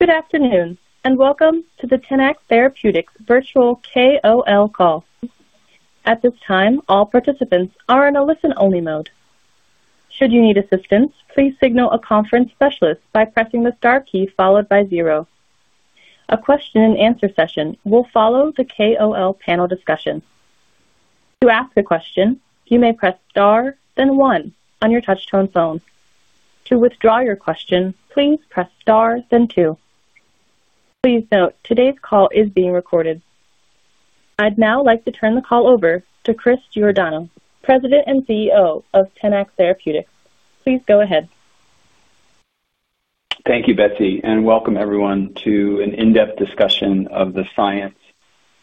Good afternoon, and welcome to the Tenax Therapeutics virtual KOL call. At this time, all participants are in a listen-only mode. Should you need assistance, please signal a conference specialist by pressing the star key followed by zero. A question-and-answer session will follow the KOL panel discussion. To ask a question, you may press star, then one on your touch-tone phone. To withdraw your question, please press star, then two. Please note, today's call is being recorded. I'd now like to turn the call over to Chris Giordano, President and CEO of Tenax Therapeutics. Please go ahead. Thank you, Betsy, and welcome everyone to an in-depth discussion of the science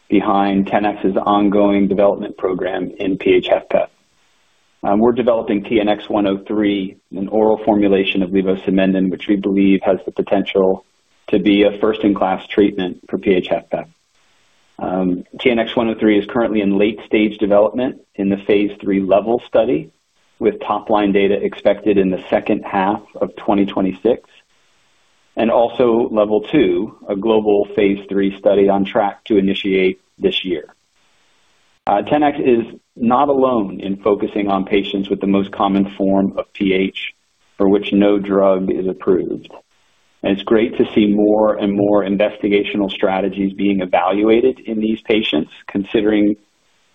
behind Tenax's ongoing development program in PH-HFpEF. We're developing TNX-103, an oral formulation of levosimendan, which we believe has the potential to be a first-in-class treatment for PH-HFpEF. TNX-103 is currently in late-stage development in the phase 3 LEVEL study, with top-line data expected in the second half of 2026, and also LEVEL II, a global phase 3 study on track to initiate this year. Tenax is not alone in focusing on patients with the most common form of PH, for which no drug is approved. It is great to see more and more investigational strategies being evaluated in these patients, considering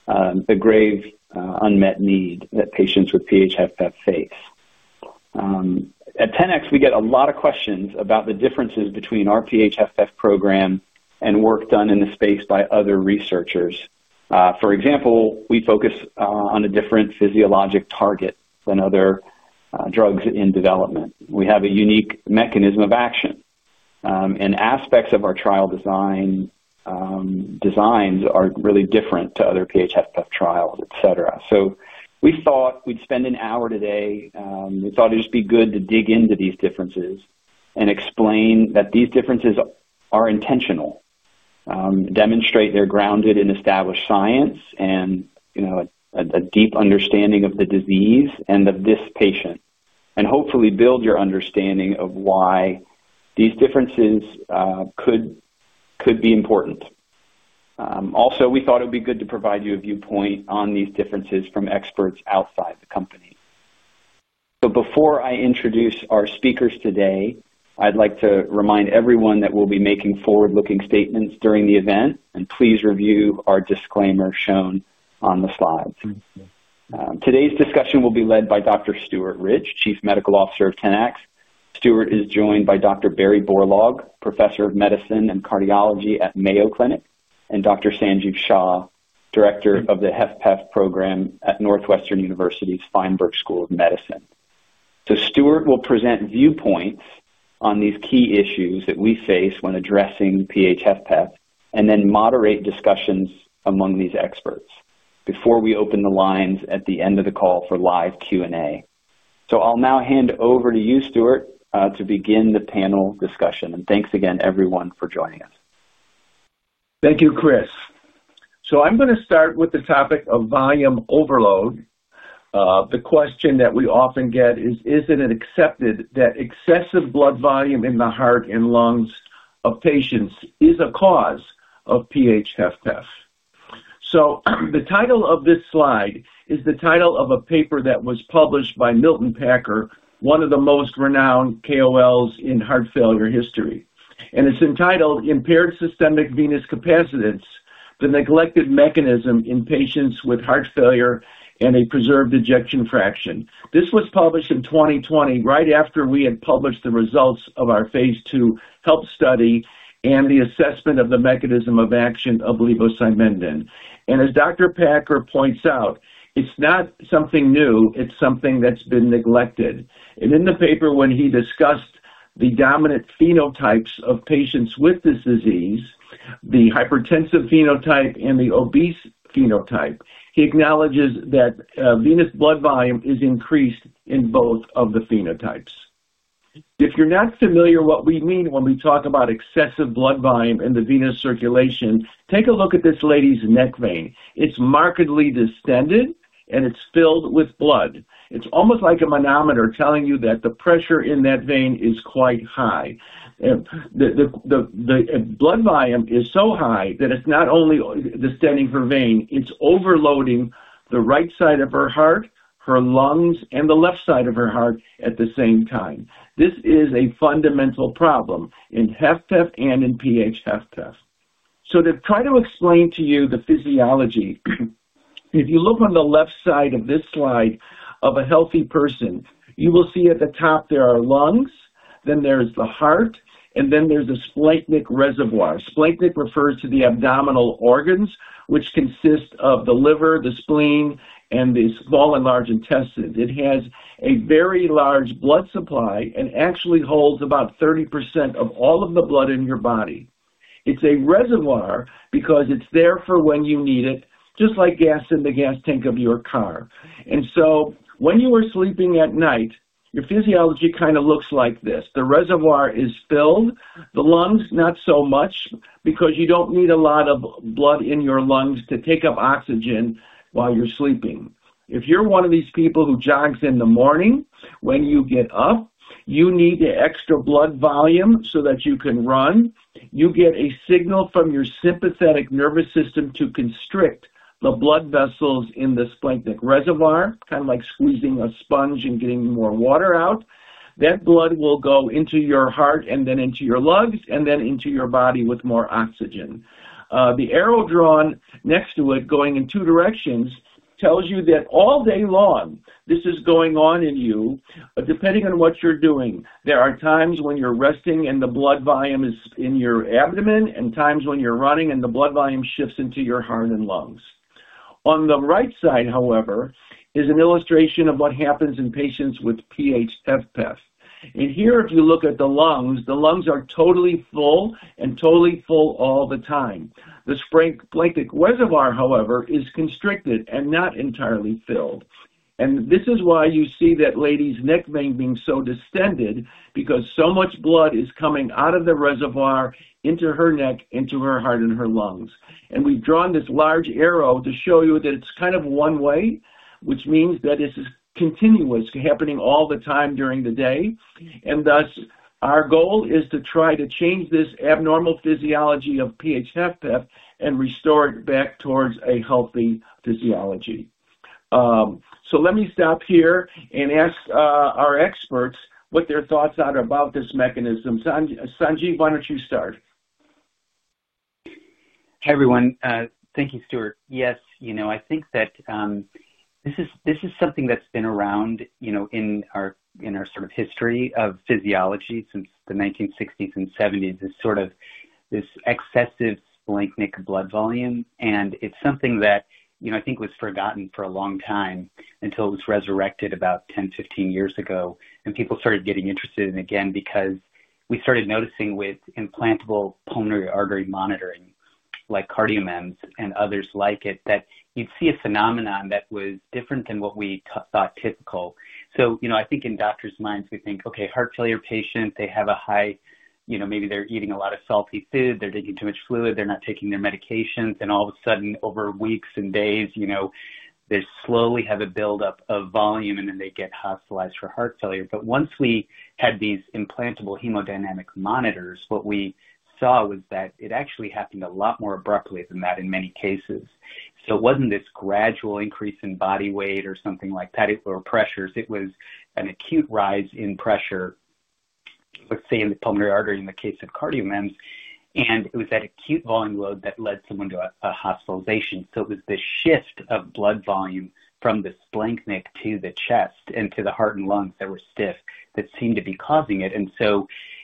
the grave unmet need that patients with PH-HFpEF face. At Tenax, we get a lot of questions about the differences between our PH-HFpEF program and work done in the space by other researchers. For example, we focus on a different physiologic target than other drugs in development. We have a unique mechanism of action, and aspects of our trial designs are really different from other PH-HFpEF trials, etc. We thought we'd spend an hour today; we thought it'd just be good to dig into these differences and explain that these differences are intentional, demonstrate they're grounded in established science, and a deep understanding of the disease and of this patient, and hopefully build your understanding of why these differences could be important. Also, we thought it would be good to provide you a viewpoint on these differences from experts outside the company. Before I introduce our speakers today, I'd like to remind everyone that we'll be making forward-looking statements during the event, and please review our disclaimer shown on the slides. Today's discussion will be led by Dr. Stuart Rich, Chief Medical Officer of Tenax. Stuart is joined by Dr. Barry Borlaug, Professor of Medicine and Cardiology at Mayo Clinic, and Dr. Sanjiv Shah, Director of the HFpEF program at Northwestern University Feinberg School of Medicine. Stuart will present viewpoints on these key issues that we face when addressing PH-HFpEF, and then moderate discussions among these experts before we open the lines at the end of the call for live Q&A. I'll now hand over to you, Stuart, to begin the panel discussion. Thanks again, everyone, for joining us. Thank you, Chris. I'm going to start with the topic of volume overload. The question that we often get is, isn't it accepted that excessive blood volume in the heart and lungs of patients is a cause of PH-HFpEF? The title of this slide is the title of a paper that was published by Milton Packer, one of the most renowned KOLs in heart failure history. It's entitled, "Impaired Systemic Venous Capacitance: The Neglected Mechanism in Patients with Heart Failure and a Preserved Ejection Fraction." This was published in 2020, right after we had published the results of our phase II HELP study and the assessment of the mechanism of action of levosimendan. As Dr. Packer points out, it's not something new; it's something that's been neglected. In the paper, when he discussed the dominant phenotypes of patients with this disease, the hypertensive phenotype and the obese phenotype, he acknowledges that venous blood volume is increased in both of the phenotypes. If you're not familiar with what we mean when we talk about excessive blood volume in the venous circulation, take a look at this lady's neck vein. It's markedly distended, and it's filled with blood. It's almost like a manometer telling you that the pressure in that vein is quite high. The blood volume is so high that it's not only distending her vein, it's overloading the right side of her heart, her lungs, and the left side of her heart at the same time. This is a fundamental problem in HFpEF and in PH-HFpEF. To try to explain to you the physiology, if you look on the left side of this slide of a healthy person, you will see at the top there are lungs, then there's the heart, and then there's a splenic reservoir. Splenic refers to the abdominal organs, which consist of the liver, the spleen, and the small and large intestines. It has a very large blood supply and actually holds about 30% of all of the blood in your body. It's a reservoir because it's there for when you need it, just like gas in the gas tank of your car. When you are sleeping at night, your physiology kind of looks like this. The reservoir is filled; the lungs, not so much, because you don't need a lot of blood in your lungs to take up oxygen while you're sleeping. If you're one of these people who jogs in the morning, when you get up, you need the extra blood volume so that you can run. You get a signal from your sympathetic nervous system to constrict the blood vessels in the splenic reservoir, kind of like squeezing a sponge and getting more water out. That blood will go into your heart and then into your lungs and then into your body with more oxygen. The arrow drawn next to it, going in two directions, tells you that all day long this is going on in you, depending on what you're doing. There are times when you're resting and the blood volume is in your abdomen, and times when you're running and the blood volume shifts into your heart and lungs. On the right side, however, is an illustration of what happens in patients with PH-HFpEF. If you look at the lungs, the lungs are totally full and totally full all the time. The splenic reservoir, however, is constricted and not entirely filled. This is why you see that lady's neck vein being so distended, because so much blood is coming out of the reservoir into her neck, into her heart, and her lungs. We have drawn this large arrow to show you that it is kind of one way, which means that this is continuous, happening all the time during the day. Thus, our goal is to try to change this abnormal physiology of PH-HFpEF and restore it back towards a healthy physiology. Let me stop here and ask our experts what their thoughts are about this mechanism. Sanjiv, why do you not start? Hi everyone. Thank you, Stuart. Yes, you know, I think that this is something that's been around in our sort of history of physiology since the 1960s and 1970s, is sort of this excessive splenic blood volume. And it's something that I think was forgotten for a long time until it was resurrected about 10, 15 years ago, and people started getting interested in it again because we started noticing with implantable pulmonary artery monitoring, like CardioMEMS and others like it, that you'd see a phenomenon that was different than what we thought typical. I think in doctors' minds, we think, okay, heart failure patients, they have a high, maybe they're eating a lot of salty food, they're drinking too much fluid, they're not taking their medications, and all of a sudden, over weeks and days, they slowly have a buildup of volume, and then they get hospitalized for heart failure. Once we had these implantable hemodynamic monitors, what we saw was that it actually happened a lot more abruptly than that in many cases. It wasn't this gradual increase in body weight or something like that or pressures. It was an acute rise in pressure, let's say, in the pulmonary artery in the case of CardioMEMS, and it was that acute volume load that led someone to a hospitalization. It was the shift of blood volume from the splenic to the chest and to the heart and lungs that were stiff that seemed to be causing it.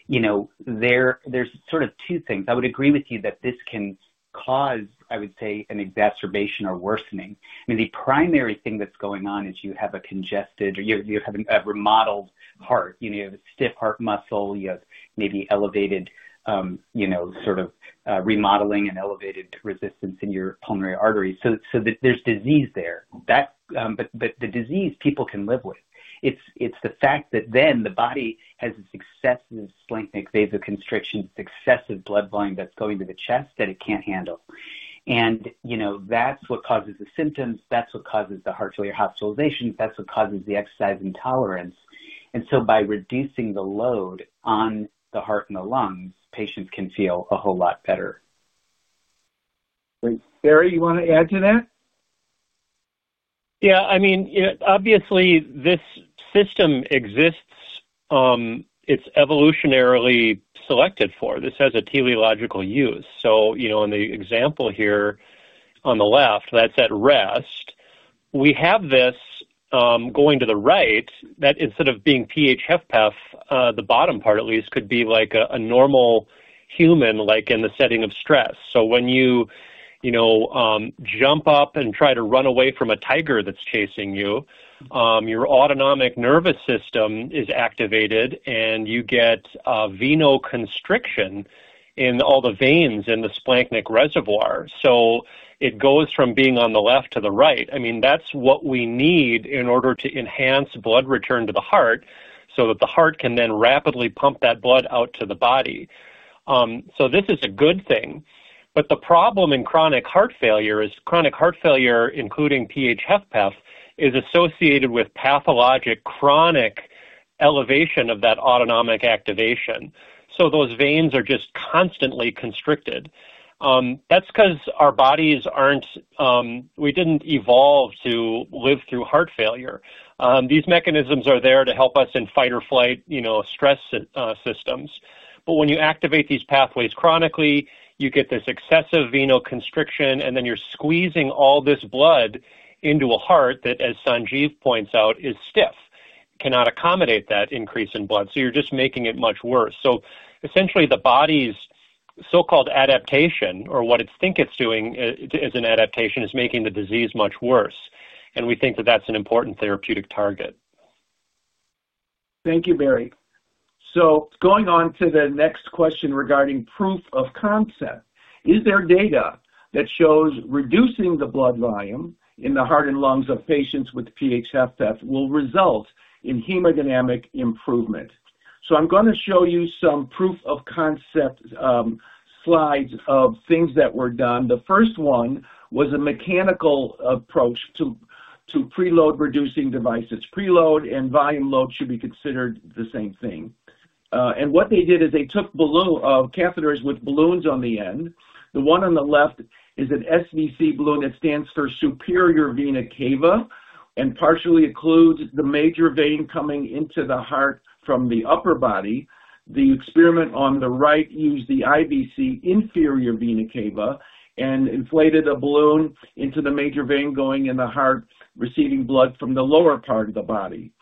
There are sort of two things. I would agree with you that this can cause, I would say, an exacerbation or worsening. I mean, the primary thing that's going on is you have a congested, you have a remodeled heart. You have a stiff heart muscle, you have maybe elevated sort of remodeling and elevated resistance in your pulmonary artery. There is disease there. The disease people can live with. It's the fact that then the body has this excessive splenic vasoconstriction, excessive blood volume that's going to the chest that it can't handle. That's what causes the symptoms, that's what causes the heart failure hospitalizations, that's what causes the exercise intolerance. By reducing the load on the heart and the lungs, patients can feel a whole lot better. Barry, you want to add to that? Yeah, I mean, obviously, this system exists. It's evolutionarily selected for. This has a teleological use. In the example here on the left, that's at rest. We have this going to the right that, instead of being PH-HFpEF, the bottom part at least could be like a normal human, like in the setting of stress. When you jump up and try to run away from a tiger that's chasing you, your autonomic nervous system is activated, and you get venoconstriction in all the veins in the splenic reservoir. It goes from being on the left to the right. I mean, that's what we need in order to enhance blood return to the heart so that the heart can then rapidly pump that blood out to the body. This is a good thing. The problem in chronic heart failure is chronic heart failure, including PH-HFpEF, is associated with pathologic chronic elevation of that autonomic activation. Those veins are just constantly constricted. That is because our bodies are not, we did not evolve to live through heart failure. These mechanisms are there to help us in fight or flight stress systems. When you activate these pathways chronically, you get this excessive venoconstriction, and then you are squeezing all this blood into a heart that, as Sanjiv points out, is stiff, cannot accommodate that increase in blood. You are just making it much worse. Essentially, the body's so-called adaptation, or what it thinks it is doing as an adaptation, is making the disease much worse. We think that is an important therapeutic target. Thank you, Barry. Going on to the next question regarding proof of concept, is there data that shows reducing the blood volume in the heart and lungs of patients with PH-HFpEF will result in hemodynamic improvement? I'm going to show you some proof of concept slides of things that were done. The first one was a mechanical approach to preload-reducing devices. Preload and volume load should be considered the same thing. What they did is they took catheters with balloons on the end. The one on the left is an SVC balloon that stands for superior vena cava and partially occludes the major vein coming into the heart from the upper body. The experiment on the right used the IVC, inferior vena cava, and inflated a balloon into the major vein going in the heart, receiving blood from the lower part of the body.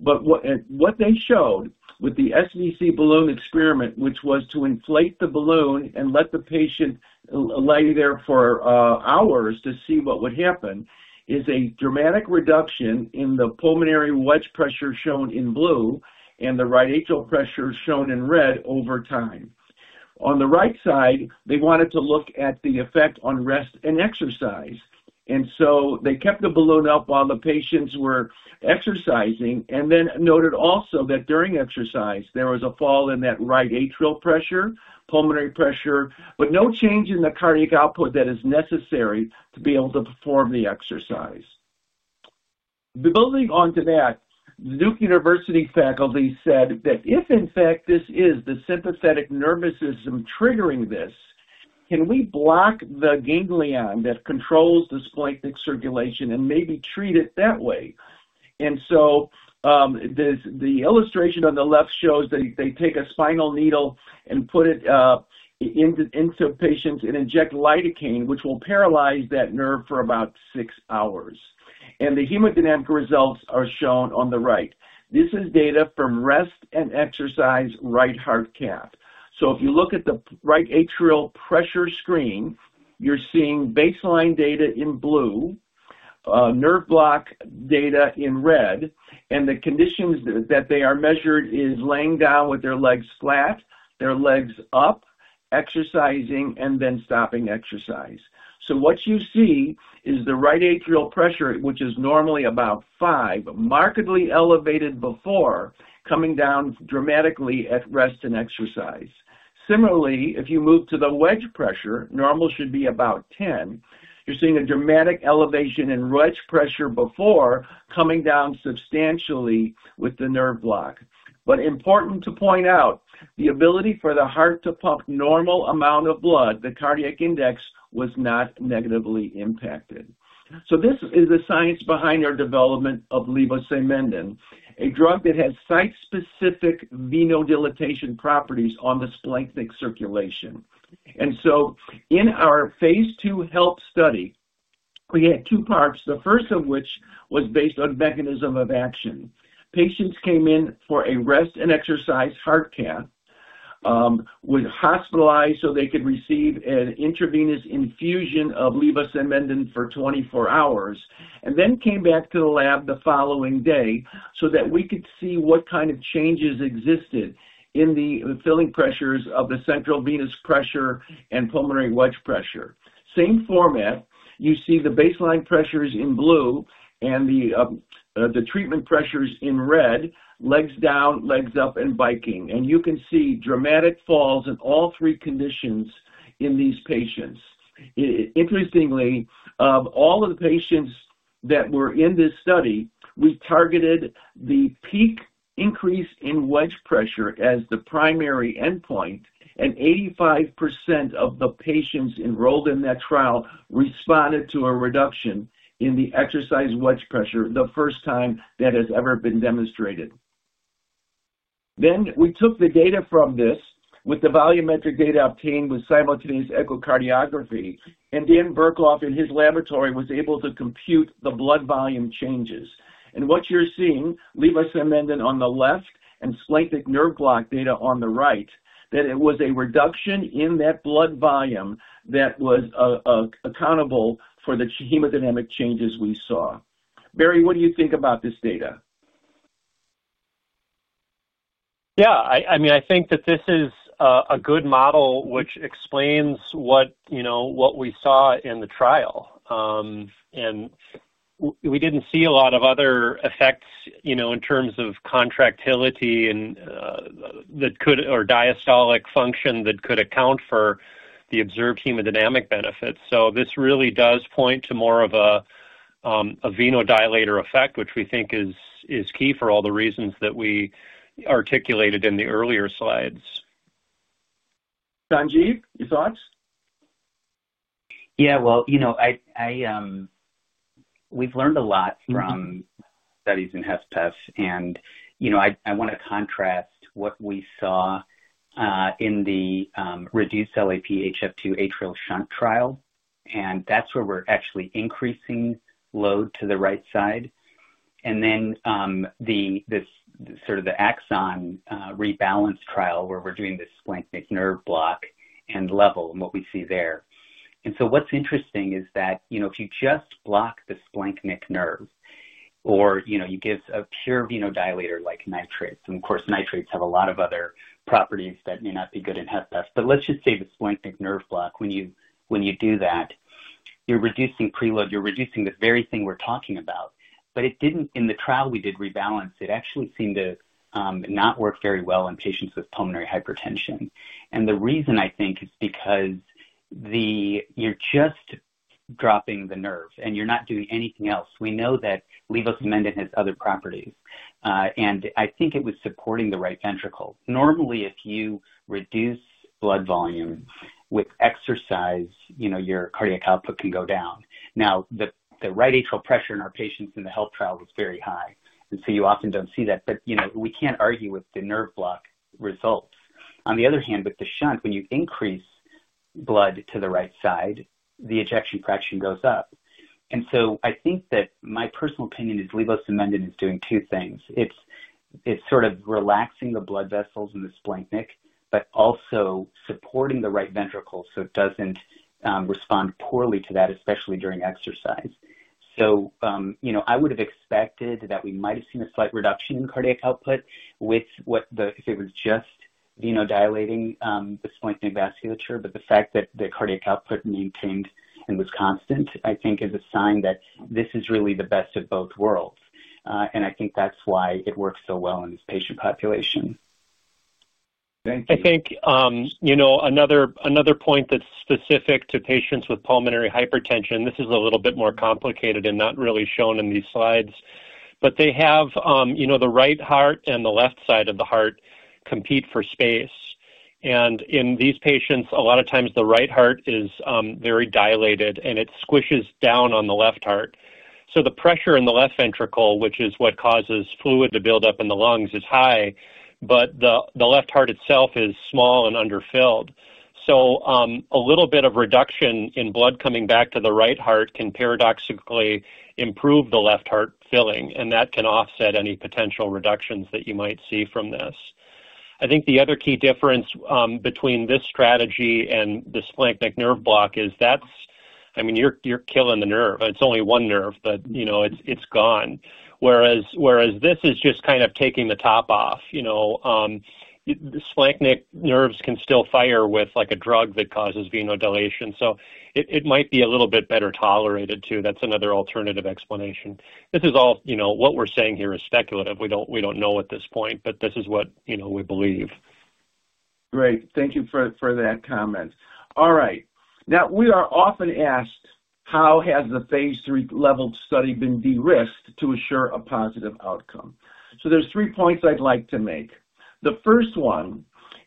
What they showed with the SVC balloon experiment, which was to inflate the balloon and let the patient lay there for hours to see what would happen, is a dramatic reduction in the pulmonary wedge pressure shown in blue and the right atrial pressure shown in red over time. On the right side, they wanted to look at the effect on rest and exercise. They kept the balloon up while the patients were exercising and then noted also that during exercise, there was a fall in that right atrial pressure, pulmonary pressure, but no change in the cardiac output that is necessary to be able to perform the exercise. Building onto that, Duke University faculty said that if, in fact, this is the sympathetic nervous system triggering this, can we block the ganglion that controls the splenic circulation and maybe treat it that way? The illustration on the left shows that they take a spinal needle and put it into patients and inject lidocaine, which will paralyze that nerve for about six hours. The hemodynamic results are shown on the right. This is data from rest and exercise right heart cath. If you look at the right atrial pressure screen, you're seeing baseline data in blue, nerve block data in red, and the conditions that they are measured is laying down with their legs flat, their legs up, exercising, and then stopping exercise. What you see is the right atrial pressure, which is normally about five, markedly elevated before coming down dramatically at rest and exercise. Similarly, if you move to the wedge pressure, normal should be about 10. You're seeing a dramatic elevation in wedge pressure before coming down substantially with the nerve block. Important to point out, the ability for the heart to pump normal amount of blood, the cardiac index was not negatively impacted. This is the science behind our development of levosimendan, a drug that has site-specific venodilation properties on the splenic circulation. In our phase two HELP study, we had two parts, the first of which was based on mechanism of action. Patients came in for a rest and exercise heart cath, were hospitalized so they could receive an intravenous infusion of levosimendan for 24 hours, and then came back to the lab the following day so that we could see what kind of changes existed in the filling pressures of the central venous pressure and pulmonary wedge pressure. Same format, you see the baseline pressures in blue and the treatment pressures in red, legs down, legs up, and biking. You can see dramatic falls in all three conditions in these patients. Interestingly, of all of the patients that were in this study, we targeted the peak increase in wedge pressure as the primary endpoint, and 85% of the patients enrolled in that trial responded to a reduction in the exercise wedge pressure, the first time that has ever been demonstrated. We took the data from this with the volumetric data obtained with simultaneous echocardiography, and Dan Burkhoff in his laboratory was able to compute the blood volume changes. What you're seeing, levosimendan on the left and splenic nerve block data on the right, is that it was a reduction in that blood volume that was accountable for the hemodynamic changes we saw. Barry, what do you think about this data? Yeah, I mean, I think that this is a good model, which explains what we saw in the trial. We didn't see a lot of other effects in terms of contractility and diastolic function that could account for the observed hemodynamic benefits. This really does point to more of a venodilator effect, which we think is key for all the reasons that we articulated in the earlier slides. Sanjiv, your thoughts? Yeah, we've learned a lot from studies in HFpEF, and I want to contrast what we saw in the reduced LAP-HF II atrial shunt trial. That's where we're actually increasing load to the right side. Sort of the axon Rebalance trial where we're doing this splenic nerve block and LEVEL and what we see there. What's interesting is that if you just block the splenic nerve or you give a pure venodilator like nitrates, and of course, nitrates have a lot of other properties that may not be good in HFpEF, but let's just say the splenic nerve block, when you do that, you're reducing preload, you're reducing the very thing we're talking about. In the trial we did, Rebalance, it actually seemed to not work very well in patients with pulmonary hypertension. The reason I think is because you're just dropping the nerve and you're not doing anything else. We know that levosimendan has other properties. I think it was supporting the right ventricle. Normally, if you reduce blood volume with exercise, your cardiac output can go down. Now, the right atrial pressure in our patients in the HELP trial was very high. You often don't see that, but we can't argue with the nerve block results. On the other hand, with the shunt, when you increase blood to the right side, the ejection fraction goes up. I think that my personal opinion is levosimendan is doing two things. It's sort of relaxing the blood vessels in the splenic, but also supporting the right ventricle so it doesn't respond poorly to that, especially during exercise. I would have expected that we might have seen a slight reduction in cardiac output if it was just venodilating the splenic vasculature, but the fact that the cardiac output maintained and was constant, I think is a sign that this is really the best of both worlds. I think that's why it works so well in this patient population. Thank you. I think another point that's specific to patients with pulmonary hypertension, this is a little bit more complicated and not really shown in these slides, but they have the right heart and the left side of the heart compete for space. In these patients, a lot of times the right heart is very dilated and it squishes down on the left heart. The pressure in the left ventricle, which is what causes fluid to build up in the lungs, is high, but the left heart itself is small and underfilled. A little bit of reduction in blood coming back to the right heart can paradoxically improve the left heart filling, and that can offset any potential reductions that you might see from this. I think the other key difference between this strategy and the splenic nerve block is that's, I mean, you're killing the nerve. It's only one nerve, but it's gone. Whereas this is just kind of taking the top off. Splenic nerves can still fire with a drug that causes venodilation. It might be a little bit better tolerated too. That's another alternative explanation. This is all, what we're saying here is speculative. We don't know at this point, but this is what we believe. Great. Thank you for that comment. All right. Now, we are often asked, how has the phase three LEVEL study been de-risked to assure a positive outcome? There are three points I'd like to make. The first one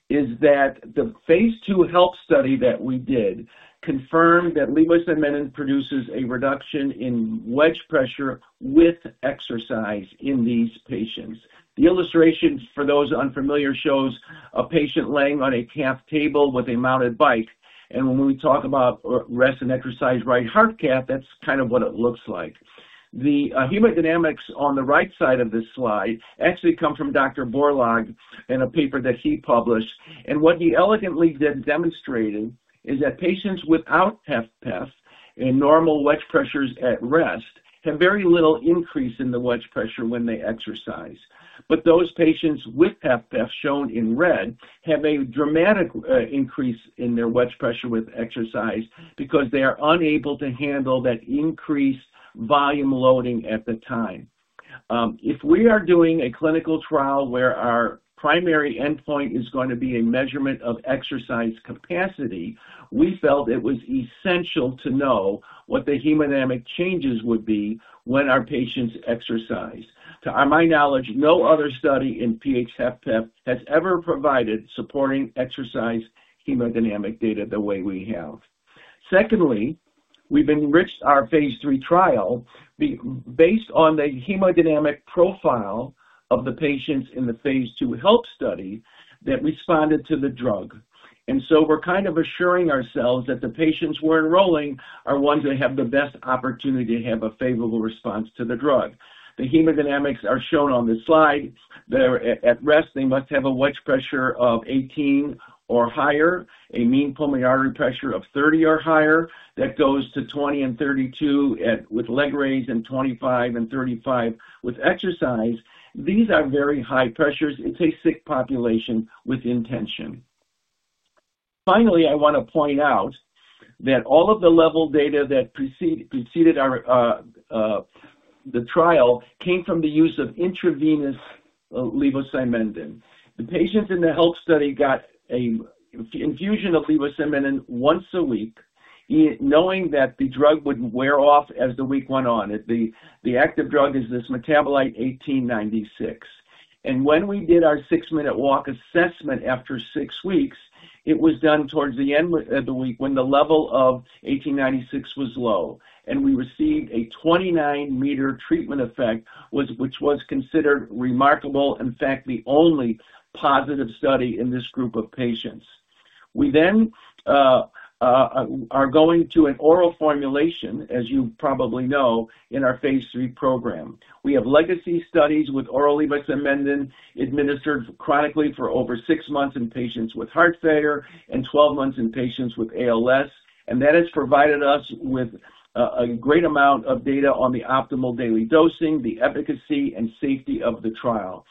is that the phase two HELP study that we did confirmed that levosimendan produces a reduction in wedge pressure with exercise in these patients. The illustration for those unfamiliar shows a patient laying on a cath table with a mounted bike. When we talk about rest and exercise right heart cath, that's kind of what it looks like. The hemodynamics on the right side of this slide actually come from Dr. Borlaug and a paper that he published. What he elegantly demonstrated is that patients without HFpEF and normal wedge pressures at rest have very little increase in the wedge pressure when they exercise. Those patients with HFpEF shown in red have a dramatic increase in their wedge pressure with exercise because they are unable to handle that increased volume loading at the time. If we are doing a clinical trial where our primary endpoint is going to be a measurement of exercise capacity, we felt it was essential to know what the hemodynamic changes would be when our patients exercise. To my knowledge, no other study in PH-HFpEF has ever provided supporting exercise hemodynamic data the way we have. Secondly, we have enriched our phase three trial based on the hemodynamic profile of the patients in the phase two HELP study that responded to the drug. We are kind of assuring ourselves that the patients we are enrolling are ones that have the best opportunity to have a favorable response to the drug. The hemodynamics are shown on the slide. At rest, they must have a wedge pressure of 18 or higher, a mean pulmonary artery pressure of 30 or higher. That goes to 20 and 32 with leg raise and 25 and 35 with exercise. These are very high pressures. It's a sick population with intention. Finally, I want to point out that all of the LEVEL data that preceded the trial came from the use of intravenous levosimendan. The patients in the HELP study got an infusion of levosimendan once a week, knowing that the drug would wear off as the week went on. The active drug is this metabolite 1896. And when we did our six-minute walk assessment after six weeks, it was done towards the end of the week when the level of 1896 was low. We received a 29-meter treatment effect, which was considered remarkable, in fact, the only positive study in this group of patients. We then are going to an oral formulation, as you probably know, in our phase three program. We have legacy studies with oral levosimendan administered chronically for over six months in patients with heart failure and 12 months in patients with ALS. That has provided us with a great amount of data on the optimal daily dosing, the efficacy, and safety of the trial.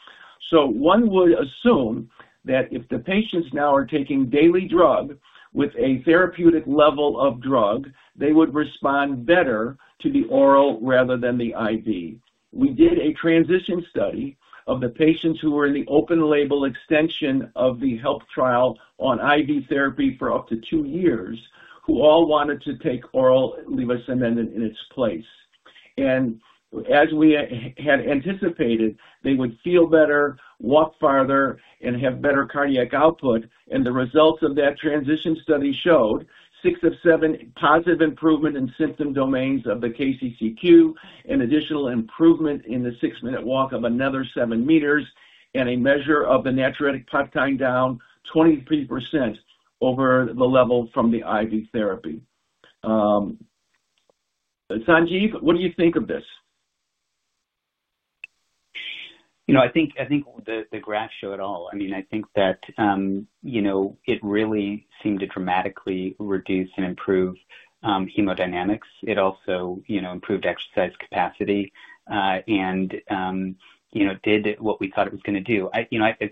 One would assume that if the patients now are taking daily drug with a therapeutic level of drug, they would respond better to the oral rather than the IV. We did a transition study of the patients who were in the open label extension of the HELP study on IV therapy for up to two years, who all wanted to take oral levosimendan in its place. As we had anticipated, they would feel better, walk farther, and have better cardiac output. The results of that transition study showed six of seven positive improvement in symptom domains of the KCCQ and additional improvement in the six-minute walk of another 7 meters and a measure of the natriuretic peptide down 23% over the level from the IV therapy. Sanjiv, what do you think of this? I think the graph showed all. I mean, I think that it really seemed to dramatically reduce and improve hemodynamics. It also improved exercise capacity and did what we thought it was going to do. I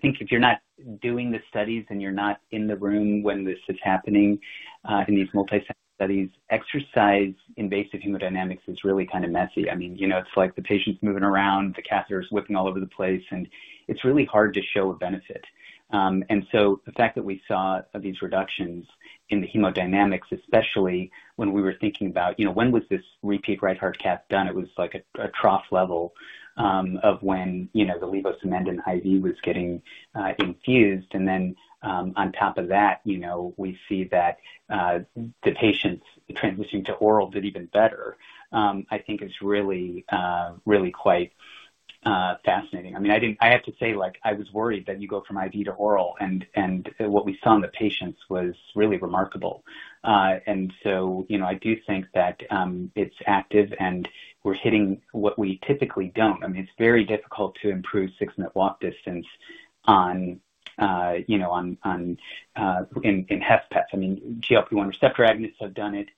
think if you're not doing the studies and you're not in the room when this is happening in these multisite studies, exercise invasive hemodynamics is really kind of messy. I mean, it's like the patient's moving around, the catheter is whipping all over the place, and it's really hard to show a benefit. The fact that we saw these reductions in the hemodynamics, especially when we were thinking about when was this repeat right heart cath done, it was like a trough level of when the levosimendan IV was getting infused. On top of that, we see that the patients transitioning to oral did even better, I think is really, really quite fascinating. I mean, I have to say, I was worried that you go from IV to oral, and what we saw in the patients was really remarkable. I do think that it's active and we're hitting what we typically do not. I mean, it's very difficult to improve six-minute walk distance in HFpEF. I mean, GLP-1 receptor agonists have done it.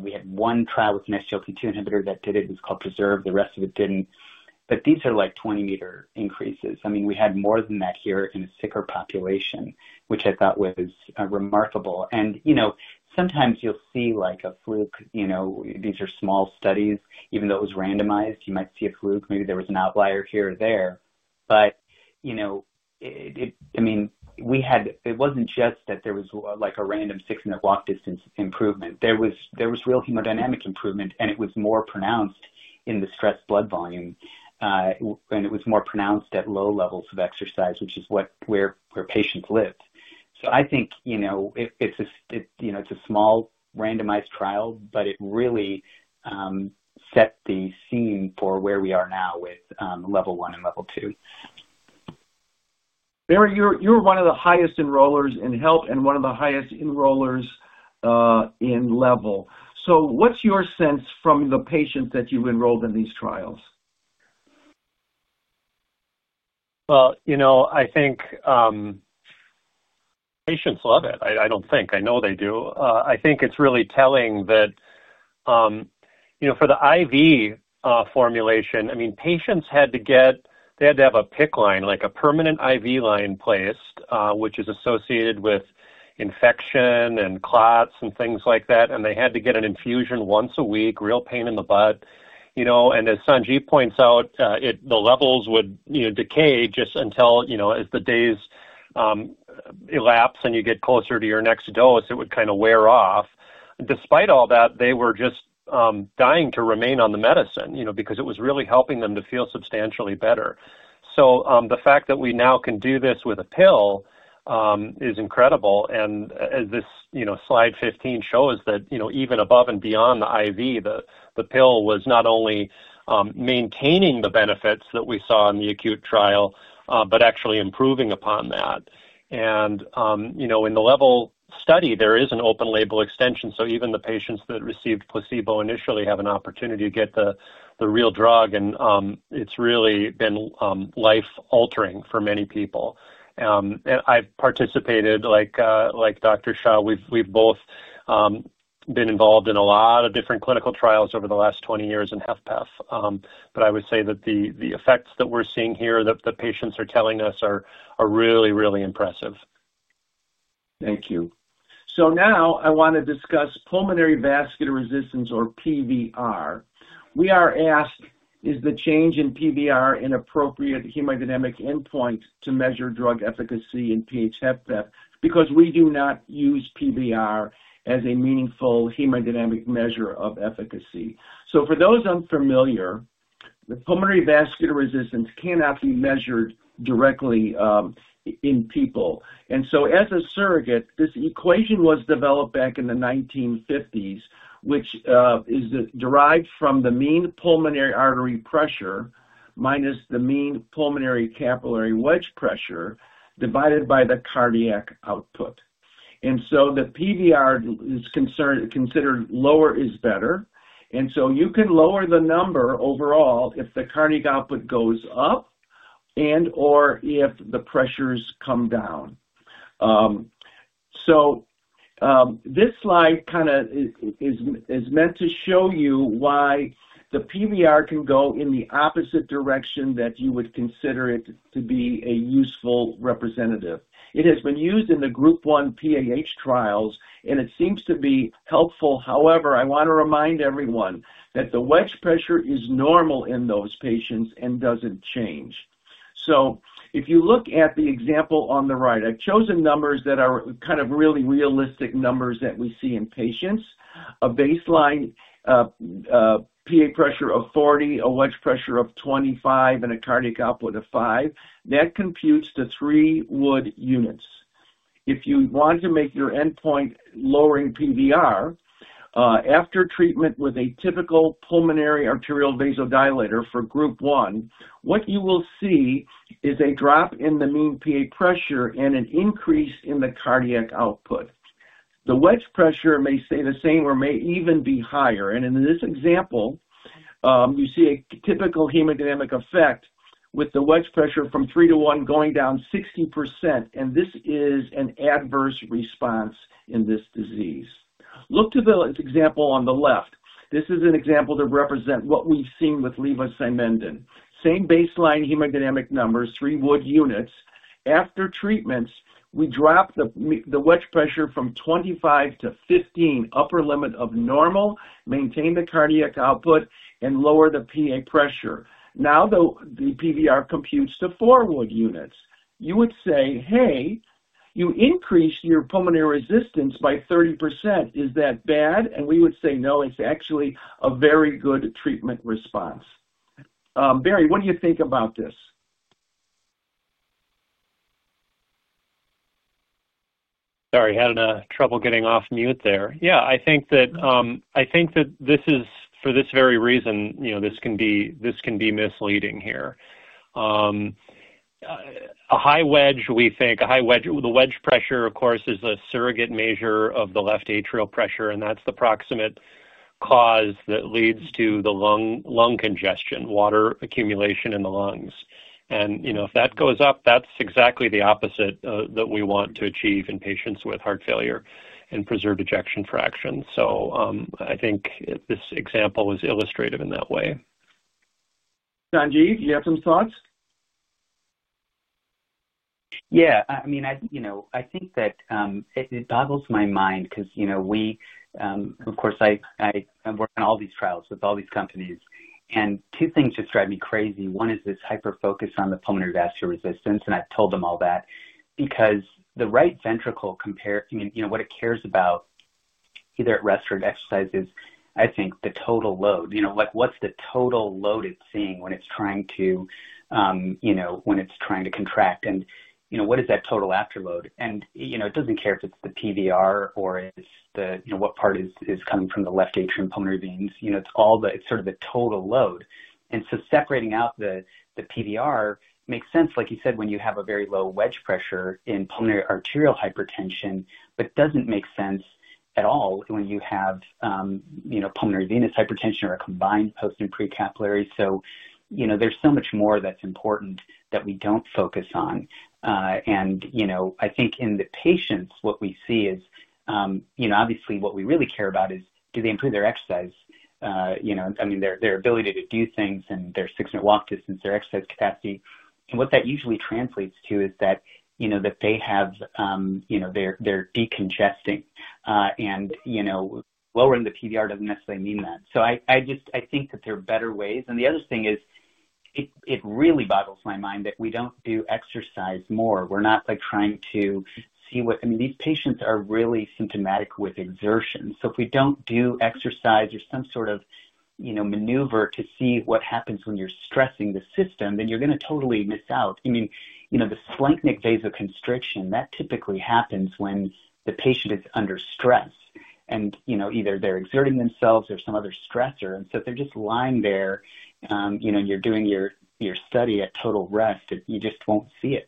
We had one trial with an SGLT2 inhibitor that did it. It was called Preserve. The rest of it did not. These are like 20-meter increases. I mean, we had more than that here in a sicker population, which I thought was remarkable. Sometimes you'll see like a fluke, these are small studies, even though it was randomized, you might see a fluke, maybe there was an outlier here or there. I mean, it wasn't just that there was like a random six-minute walk distance improvement. There was real hemodynamic improvement, and it was more pronounced in the stress blood volume. It was more pronounced at low levels of exercise, which is where patients live. I think it's a small randomized trial, but it really set the scene for where we are now with level one and level two. Barry, you were one of the highest enrollers in HELP and one of the highest enrollers in LEVEL. What's your sense from the patients that you've enrolled in these trials? I think patients love it. I do not think. I know they do. I think it is really telling that for the IV formulation, I mean, patients had to get, they had to have a PICC line, like a permanent IV line placed, which is associated with infection and clots and things like that. They had to get an infusion once a week, real pain in the butt. As Sanjiv points out, the levels would decay just until as the days elapse and you get closer to your next dose, it would kind of wear off. Despite all that, they were just dying to remain on the medicine because it was really helping them to feel substantially better. The fact that we now can do this with a pill is incredible. As this slide 15 shows, even above and beyond the IV, the pill was not only maintaining the benefits that we saw in the acute trial, but actually improving upon that. In the LEVEL study, there is an open label extension. Even the patients that received placebo initially have an opportunity to get the real drug, and it has really been life-altering for many people. I have participated, like Dr. Shah, we have both been involved in a lot of different clinical trials over the last 20 years in HFpEF. I would say that the effects that we are seeing here that the patients are telling us are really, really impressive. Thank you. Now I want to discuss pulmonary vascular resistance or PVR. We are asked, is the change in PVR an appropriate hemodynamic endpoint to measure drug efficacy in PH-HFpEF? Because we do not use PVR as a meaningful hemodynamic measure of efficacy. For those unfamiliar, the pulmonary vascular resistance cannot be measured directly in people. As a surrogate, this equation was developed back in the 1950s, which is derived from the mean pulmonary artery pressure minus the mean pulmonary capillary wedge pressure divided by the cardiac output. The PVR is considered lower is better. You can lower the number overall if the cardiac output goes up and/or if the pressures come down. This slide is meant to show you why the PVR can go in the opposite direction that you would consider it to be a useful representative. It has been used in the group one PAH trials, and it seems to be helpful. However, I want to remind everyone that the wedge pressure is normal in those patients and does not change. If you look at the example on the right, I have chosen numbers that are kind of really realistic numbers that we see in patients. A baseline PA pressure of 40, a wedge pressure of 25, and a cardiac output of 5, that computes to three wood units. If you want to make your endpoint lowering PVR after treatment with a typical pulmonary arterial vasodilator for group one, what you will see is a drop in the mean PA pressure and an increase in the cardiac output. The wedge pressure may stay the same or may even be higher. In this example, you see a typical hemodynamic effect with the wedge pressure from three to one going down 60%. This is an adverse response in this disease. Look to the example on the left. This is an example to represent what we've seen with levosimendan. Same baseline hemodynamic numbers, three wood units. After treatments, we drop the wedge pressure from 25 to 15, upper limit of normal, maintain the cardiac output, and lower the PA pressure. Now the PVR computes to four wood units. You would say, "Hey, you increased your pulmonary resistance by 30%. Is that bad?" We would say, "No, it's actually a very good treatment response." Barry, what do you think about this? Sorry, had trouble getting off mute there. Yeah, I think that this is for this very reason, this can be misleading here. A high wedge, we think, the wedge pressure, of course, is a surrogate measure of the left atrial pressure, and that's the proximate cause that leads to the lung congestion, water accumulation in the lungs. If that goes up, that's exactly the opposite that we want to achieve in patients with heart failure and preserved ejection fraction. I think this example is illustrative in that way. Sanjiv, do you have some thoughts? Yeah. I mean, I think that it boggles my mind because we, of course, I work on all these trials with all these companies. Two things just drive me crazy. One is this hyperfocus on the pulmonary vascular resistance, and I've told them all that because the right ventricle, what it cares about either at rest or at exercise is, I think, the total load. What's the total load it's seeing when it's trying to contract? What is that total afterload? It doesn't care if it's the PVR or what part is coming from the left atrium pulmonary veins. It's sort of the total load. Separating out the PVR makes sense, like you said, when you have a very low wedge pressure in pulmonary arterial hypertension, but does not make sense at all when you have pulmonary venous hypertension or a combined post and precapillary. There is so much more that is important that we do not focus on. I think in the patients, what we see is obviously what we really care about is do they improve their exercise, I mean, their ability to do things and their six-minute walk distance, their exercise capacity. What that usually translates to is that they are decongesting. Lowering the PVR does not necessarily mean that. I think that there are better ways. The other thing is it really boggles my mind that we do not do exercise more. We are not trying to see what I mean, these patients are really symptomatic with exertion. If we do not do exercise or some sort of maneuver to see what happens when you are stressing the system, then you are going to totally miss out. I mean, the splenic vasoconstriction, that typically happens when the patient is under stress. And either they are exerting themselves or some other stressor. If they are just lying there and you are doing your study at total rest, you just will not see it.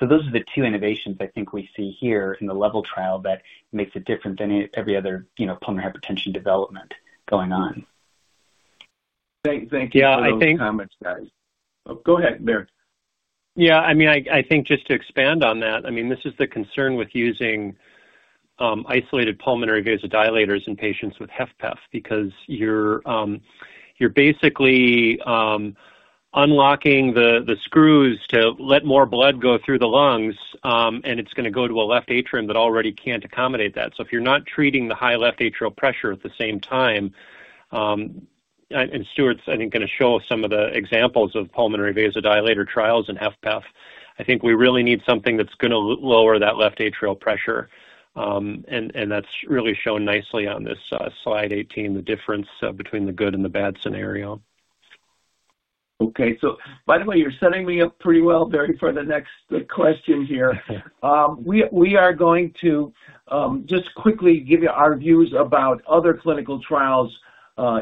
Those are the two innovations I think we see here in the LEVEL trial that makes it different than every other pulmonary hypertension development going on. Thank you for those comments, guys. Go ahead, Barry. Yeah. I mean, I think just to expand on that, I mean, this is the concern with using isolated pulmonary vasodilators in patients with HFpEF because you're basically unlocking the screws to let more blood go through the lungs, and it's going to go to a left atrium that already can't accommodate that. If you're not treating the high left atrial pressure at the same time, and Stuart's going to show some of the examples of pulmonary vasodilator trials in HFpEF, I think we really need something that's going to lower that left atrial pressure. That's really shown nicely on this slide 18, the difference between the good and the bad scenario. Okay. By the way, you're setting me up pretty well, Barry, for the next question here. We are going to just quickly give you our views about other clinical trials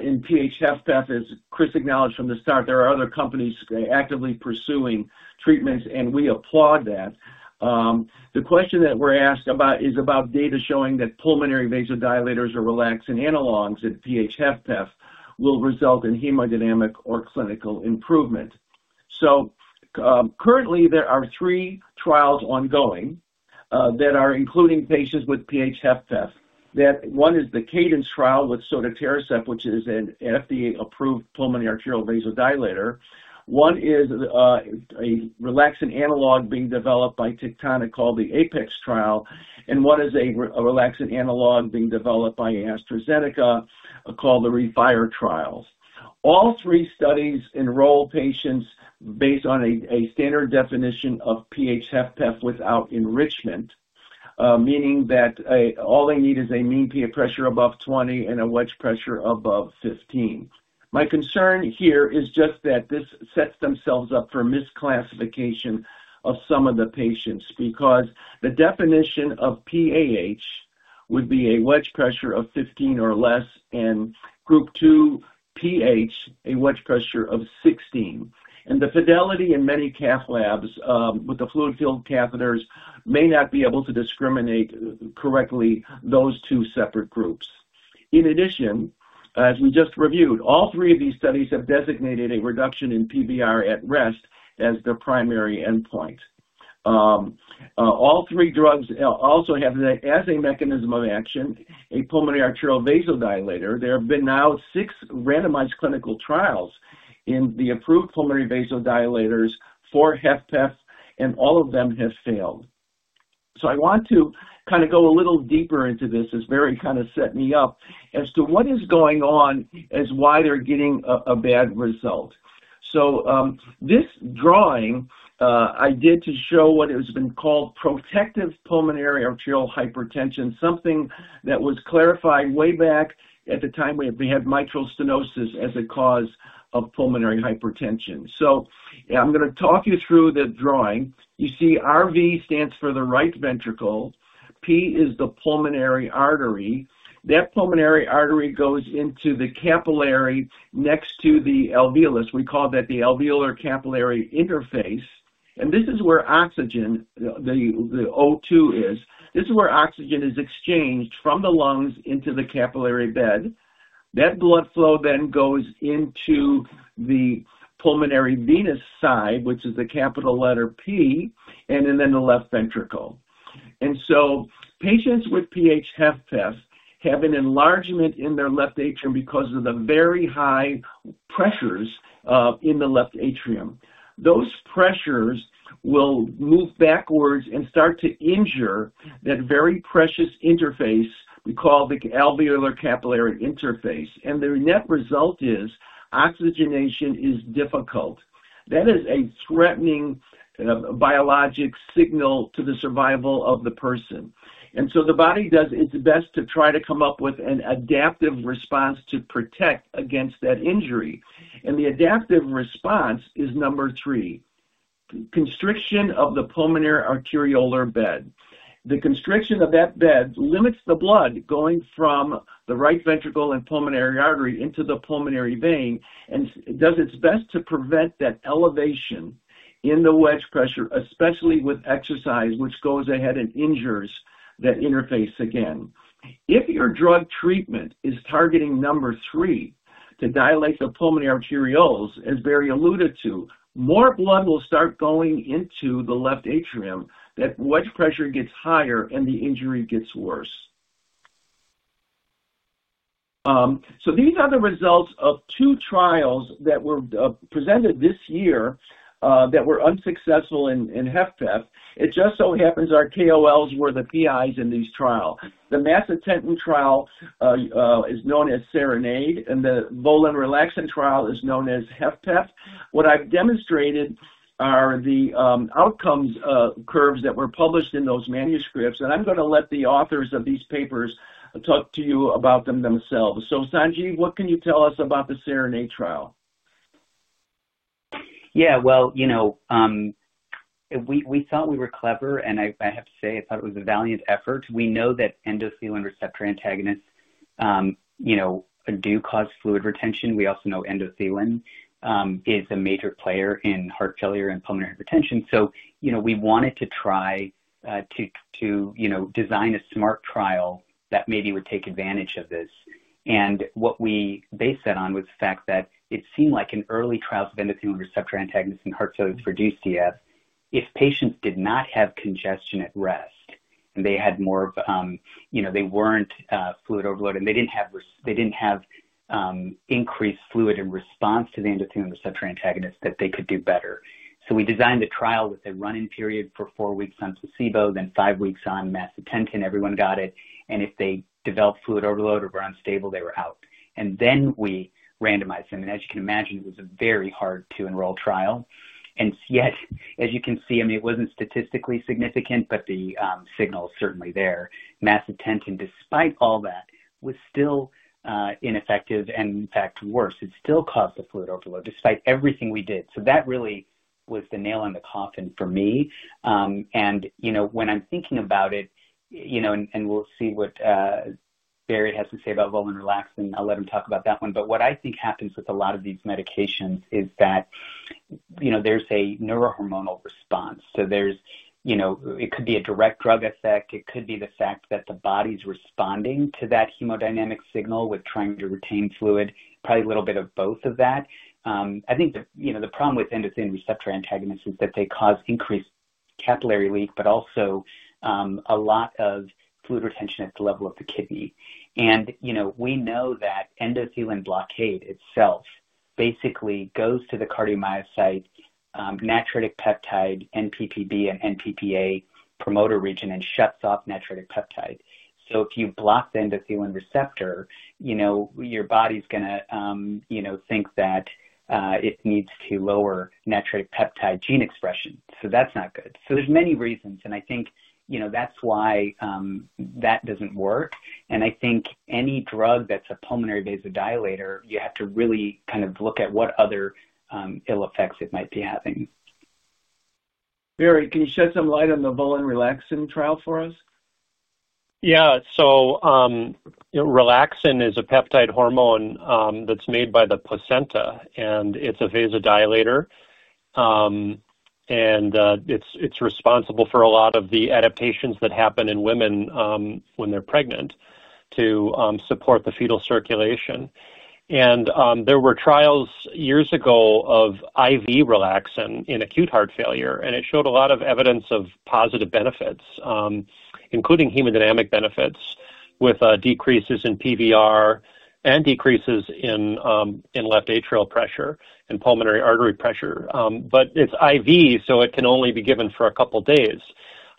in PH-HFpEF. As Chris acknowledged from the start, there are other companies actively pursuing treatments, and we applaud that. The question that we're asked about is about data showing that pulmonary vasodilators or Relaxin analogs in PH-HFpEF will result in hemodynamic or clinical improvement. Currently, there are three trials ongoing that are including patients with PH-HFpEF. One is the Cadence trial with Sotatercept, which is an FDA-approved pulmonary arterial vasodilator. One is a Relaxin analog being developed by Tectonic called the APEX trial. One is a Relaxin analog being developed by AstraZeneca called the Re-PHIRE trial. All three studies enroll patients based on a standard definition of PH-HFpEF without enrichment, meaning that all they need is a mean PA pressure above 20 and a wedge pressure above 15. My concern here is just that this sets themselves up for misclassification of some of the patients because the definition of PAH would be a wedge pressure of 15 or less and group two PH, a wedge pressure of 16. The fidelity in many cath labs with the fluid-filled catheters may not be able to discriminate correctly those two separate groups. In addition, as we just reviewed, all three of these studies have designated a reduction in PVR at rest as the primary endpoint. All three drugs also have, as a mechanism of action, a pulmonary arterial vasodilator. There have been now six randomized clinical trials in the approved pulmonary vasodilators for HFpEF, and all of them have failed. I want to kind of go a little deeper into this. This very kind of set me up as to what is going on as why they're getting a bad result. This drawing I did to show what has been called protective pulmonary arterial hypertension, something that was clarified way back at the time we had mitral stenosis as a cause of pulmonary hypertension. I'm going to talk you through the drawing. You see RV stands for the right ventricle. P is the pulmonary artery. That pulmonary artery goes into the capillary next to the alveolus. We call that the alveolar capillary interface. This is where oxygen, the O2 is. This is where oxygen is exchanged from the lungs into the capillary bed. That blood flow then goes into the pulmonary venous side, which is the capital letter P, and then the left ventricle. Patients with PH-HFpEF have an enlargement in their left atrium because of the very high pressures in the left atrium. Those pressures will move backwards and start to injure that very precious interface we call the alveolar capillary interface. The net result is oxygenation is difficult. That is a threatening biologic signal to the survival of the person. The body does its best to try to come up with an adaptive response to protect against that injury. The adaptive response is number three, constriction of the pulmonary arteriolar bed. The constriction of that bed limits the blood going from the right ventricle and pulmonary artery into the pulmonary vein and does its best to prevent that elevation in the wedge pressure, especially with exercise, which goes ahead and injures that interface again. If your drug treatment is targeting number three to dilate the pulmonary arterioles, as Barry alluded to, more blood will start going into the left atrium. That wedge pressure gets higher and the injury gets worse. These are the results of two trials that were presented this year that were unsuccessful in HFpEF. It just so happens our KOLs were the PIs in these trials. The macitentan trial is known as SERENADE, and the VOLAN Relaxin trial is known as HFpEF. What I've demonstrated are the outcomes curves that were published in those manuscripts. I'm going to let the authors of these papers talk to you about them themselves. Sanjiv, what can you tell us about the SERENADE trial? Yeah. We thought we were clever, and I have to say, I thought it was a valiant effort. We know that endothelin receptor antagonists do cause fluid retention. We also know endothelin is a major player in heart failure and pulmonary hypertension. We wanted to try to design a smart trial that maybe would take advantage of this. What we based that on was the fact that it seemed like in early trials of endothelin receptor antagonists in heart failure for HFpEF, if patients did not have congestion at rest and they had more of they weren't fluid overloaded, and they didn't have increased fluid in response to the endothelin receptor antagonists, that they could do better. We designed the trial with a run-in period for four weeks on placebo, then five weeks on macitentan. Everyone got it. If they developed fluid overload or were unstable, they were out. We randomized them. As you can imagine, it was a very hard-to-enroll trial. Yet, as you can see, I mean, it was not statistically significant, but the signal is certainly there. Macitentan, despite all that, was still ineffective and, in fact, worse. It still caused the fluid overload despite everything we did. That really was the nail in the coffin for me. When I'm thinking about it, and we'll see what Barry has to say about VOLAN Relaxin, I'll let him talk about that one. What I think happens with a lot of these medications is that there's a neurohormonal response. It could be a direct drug effect. It could be the fact that the body's responding to that hemodynamic signal with trying to retain fluid, probably a little bit of both of that. I think the problem with endothelin receptor antagonists is that they cause increased capillary leak, but also a lot of fluid retention at the level of the kidney. We know that endothelin blockade itself basically goes to the cardiomyocyte natriuretic peptide NPPB and NPPA promoter region and shuts off natriuretic peptide. If you block the endothelin receptor, your body's going to think that it needs to lower natriuretic peptide gene expression. That's not good. There are many reasons, and I think that's why that doesn't work. I think any drug that's a pulmonary vasodilator, you have to really kind of look at what other ill effects it might be having. Barry, can you shed some light on the VOLAN Relaxin trial for us? Yeah. Relaxin is a peptide hormone that's made by the placenta, and it's a vasodilator. It's responsible for a lot of the adaptations that happen in women when they're pregnant to support the fetal circulation. There were trials years ago of IV Relaxin in acute heart failure, and it showed a lot of evidence of positive benefits, including hemodynamic benefits with decreases in PVR and decreases in left atrial pressure and pulmonary artery pressure. It's IV, so it can only be given for a couple of days.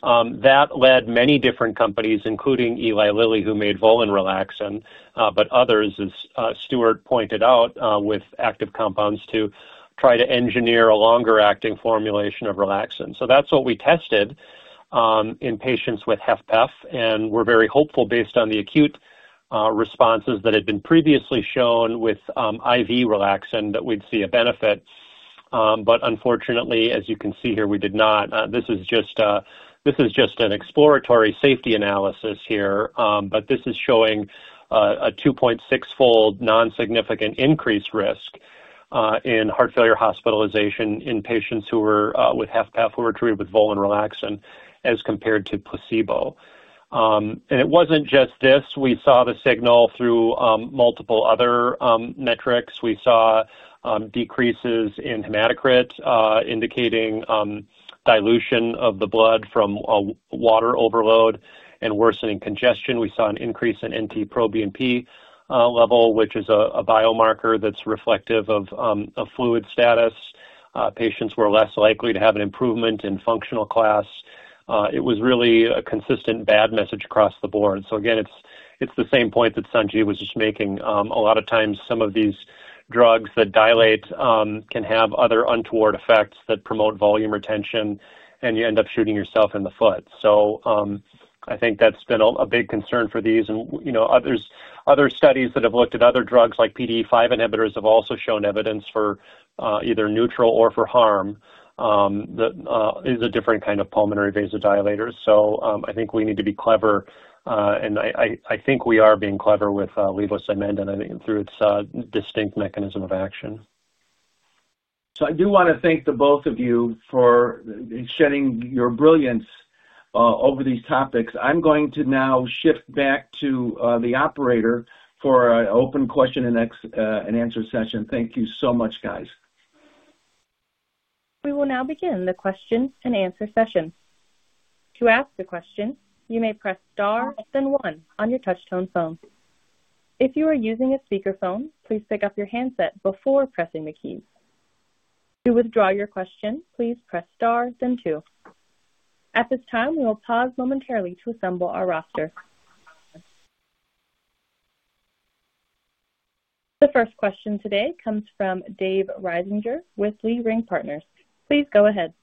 That led many different companies, including Eli Lilly, who made VOLAN Relaxin, but others, as Stuart pointed out with active compounds, to try to engineer a longer-acting formulation of Relaxin. That's what we tested in patients with HFpEF. We are very hopeful based on the acute responses that had been previously shown with IV Relaxin that we would see a benefit. Unfortunately, as you can see here, we did not. This is just an exploratory safety analysis here, but this is showing a 2.6-fold non-significant increased risk in heart failure hospitalization in patients with HFpEF who were treated with VOLAN Relaxin as compared to placebo. It was not just this. We saw the signal through multiple other metrics. We saw decreases in hematocrit indicating dilution of the blood from water overload and worsening congestion. We saw an increase in NT-proBNP level, which is a biomarker that is reflective of fluid status. Patients were less likely to have an improvement in functional class. It was really a consistent bad message across the board. Again, it is the same point that Sanjiv was just making. A lot of times, some of these drugs that dilate can have other untoward effects that promote volume retention, and you end up shooting yourself in the foot. I think that's been a big concern for these. Other studies that have looked at other drugs like PDE5 inhibitors have also shown evidence for either neutral or for harm. That is a different kind of pulmonary vasodilator. I think we need to be clever, and I think we are being clever with levosimendan through its distinct mechanism of action. I do want to thank the both of you for shedding your brilliance over these topics. I'm going to now shift back to the operator for an open question and answer session. Thank you so much, guys. We will now begin the question-and-answer session. To ask a question, you may press star then one on your touch-tone phone. If you are using a speakerphone, please pick up your handset before pressing the keys. To withdraw your question, please press star then two. At this time, we will pause momentarily to assemble our roster. The first question today comes from Dave Risinger with Leerink Partners. Please go ahead.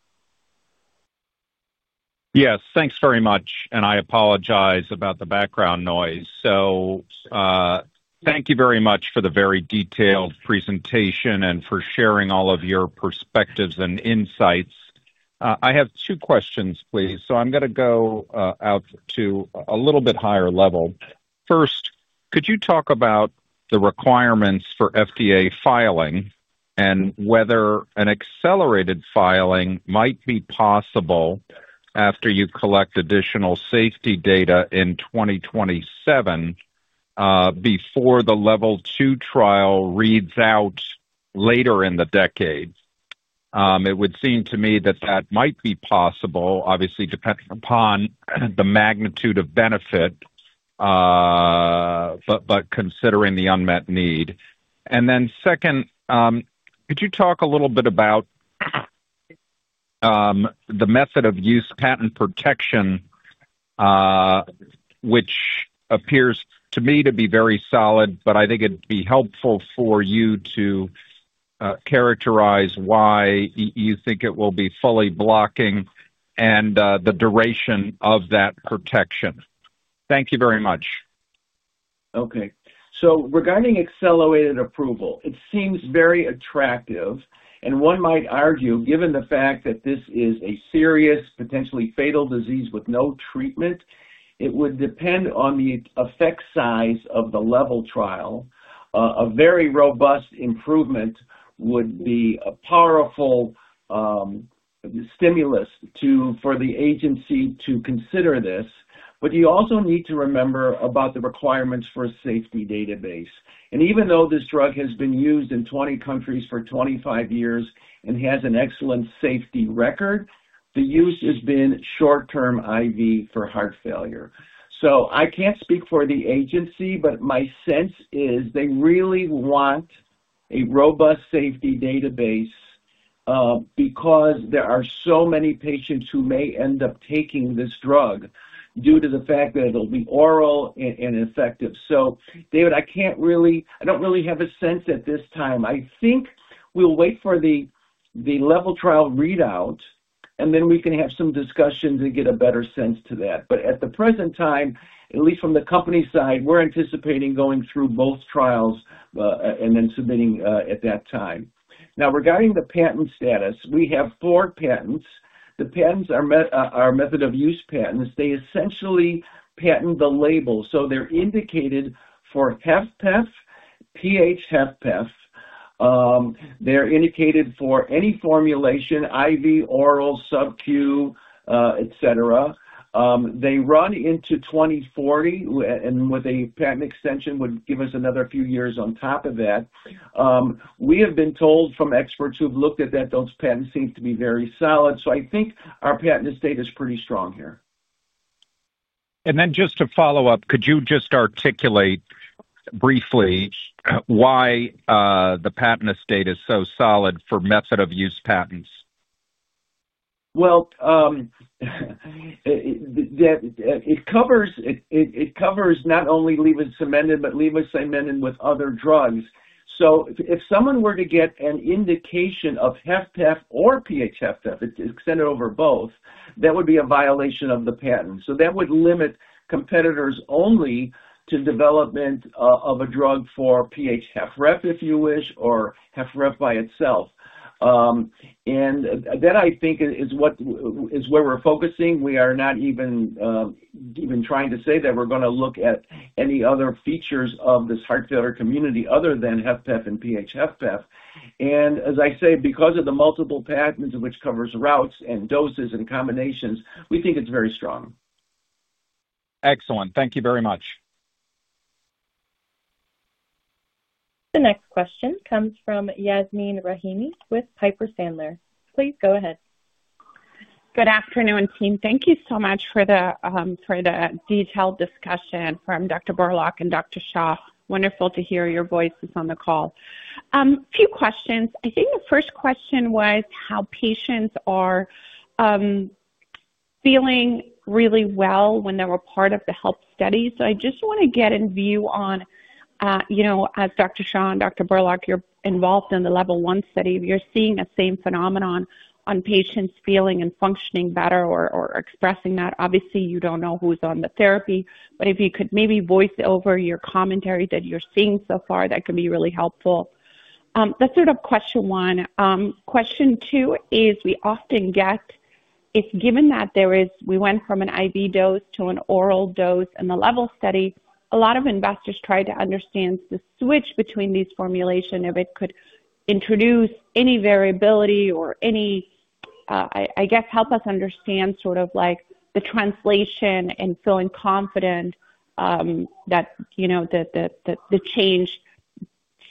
Yes. Thanks very much. I apologize about the background noise. Thank you very much for the very detailed presentation and for sharing all of your perspectives and insights. I have two questions, please. I'm going to go out to a little bit higher level. First, could you talk about the requirements for FDA filing and whether an accelerated filing might be possible after you collect additional safety data in 2027 before the LEVEL 2 trial reads out later in the decade? It would seem to me that that might be possible, obviously depending upon the magnitude of benefit, but considering the unmet need. Could you talk a little bit about the method of use patent protection, which appears to me to be very solid, but I think it'd be helpful for you to characterize why you think it will be fully blocking and the duration of that protection? Thank you very much. Okay. Regarding accelerated approval, it seems very attractive. One might argue, given the fact that this is a serious, potentially fatal disease with no treatment, it would depend on the effect size of the LEVEL trial. A very robust improvement would be a powerful stimulus for the agency to consider this. You also need to remember about the requirements for a safety database. Even though this drug has been used in 20 countries for 25 years and has an excellent safety record, the use has been short-term IV for heart failure. I can't speak for the agency, but my sense is they really want a robust safety database because there are so many patients who may end up taking this drug due to the fact that it'll be oral and ineffective. Dave, I can't really, I don't really have a sense at this time. I think we'll wait for the LEVEL trial readout, and then we can have some discussions and get a better sense to that. At the present time, at least from the company side, we're anticipating going through both trials and then submitting at that time. Now, regarding the patent status, we have four patents. The patents are method of use patents. They essentially patent the label. They're indicated for HFpEF, PH-HFpEF. They're indicated for any formulation, IV, oral, subq, etc. They run into 2040, and with a patent extension would give us another few years on top of that. We have been told from experts who've looked at that those patents seem to be very solid. I think our patent estate is pretty strong here. Just to follow up, could you just articulate briefly why the patent estate is so solid for method of use patents? It covers not only levosimendan, but levosimendan with other drugs. If someone were to get an indication of HFpEF or PH-HFpEF, it's extended over both, that would be a violation of the patent. That would limit competitors only to development of a drug for PH-HFpEF, if you wish, or HFpEF by itself. I think that is where we're focusing. We are not even trying to say that we're going to look at any other features of this heart failure community other than HFpEF and PH-HFpEF. As I say, because of the multiple patents, which covers routes and doses and combinations, we think it's very strong. Excellent. Thank you very much. The next question comes from Yasmeen Rahimi with Piper Sandler. Please go ahead. Good afternoon, team. Thank you so much for the detailed discussion from Dr. Borlaug and Dr. Shah. Wonderful to hear your voices on the call. A few questions. I think the first question was how patients are feeling really well when they were part of the HELP study. I just want to get in view on, as Dr. Shah and Dr. Borlaug, you're involved in the LEVEL trial, you're seeing the same phenomenon on patients feeling and functioning better or expressing that. Obviously, you don't know who's on the therapy, but if you could maybe voice over your commentary that you're seeing so far, that can be really helpful. That's sort of question one. Question two is we often get if given that we went from an IV dose to an oral dose in the LEVEL study, a lot of investors try to understand the switch between these formulations, if it could introduce any variability or any, I guess, help us understand sort of the translation and feeling confident that the change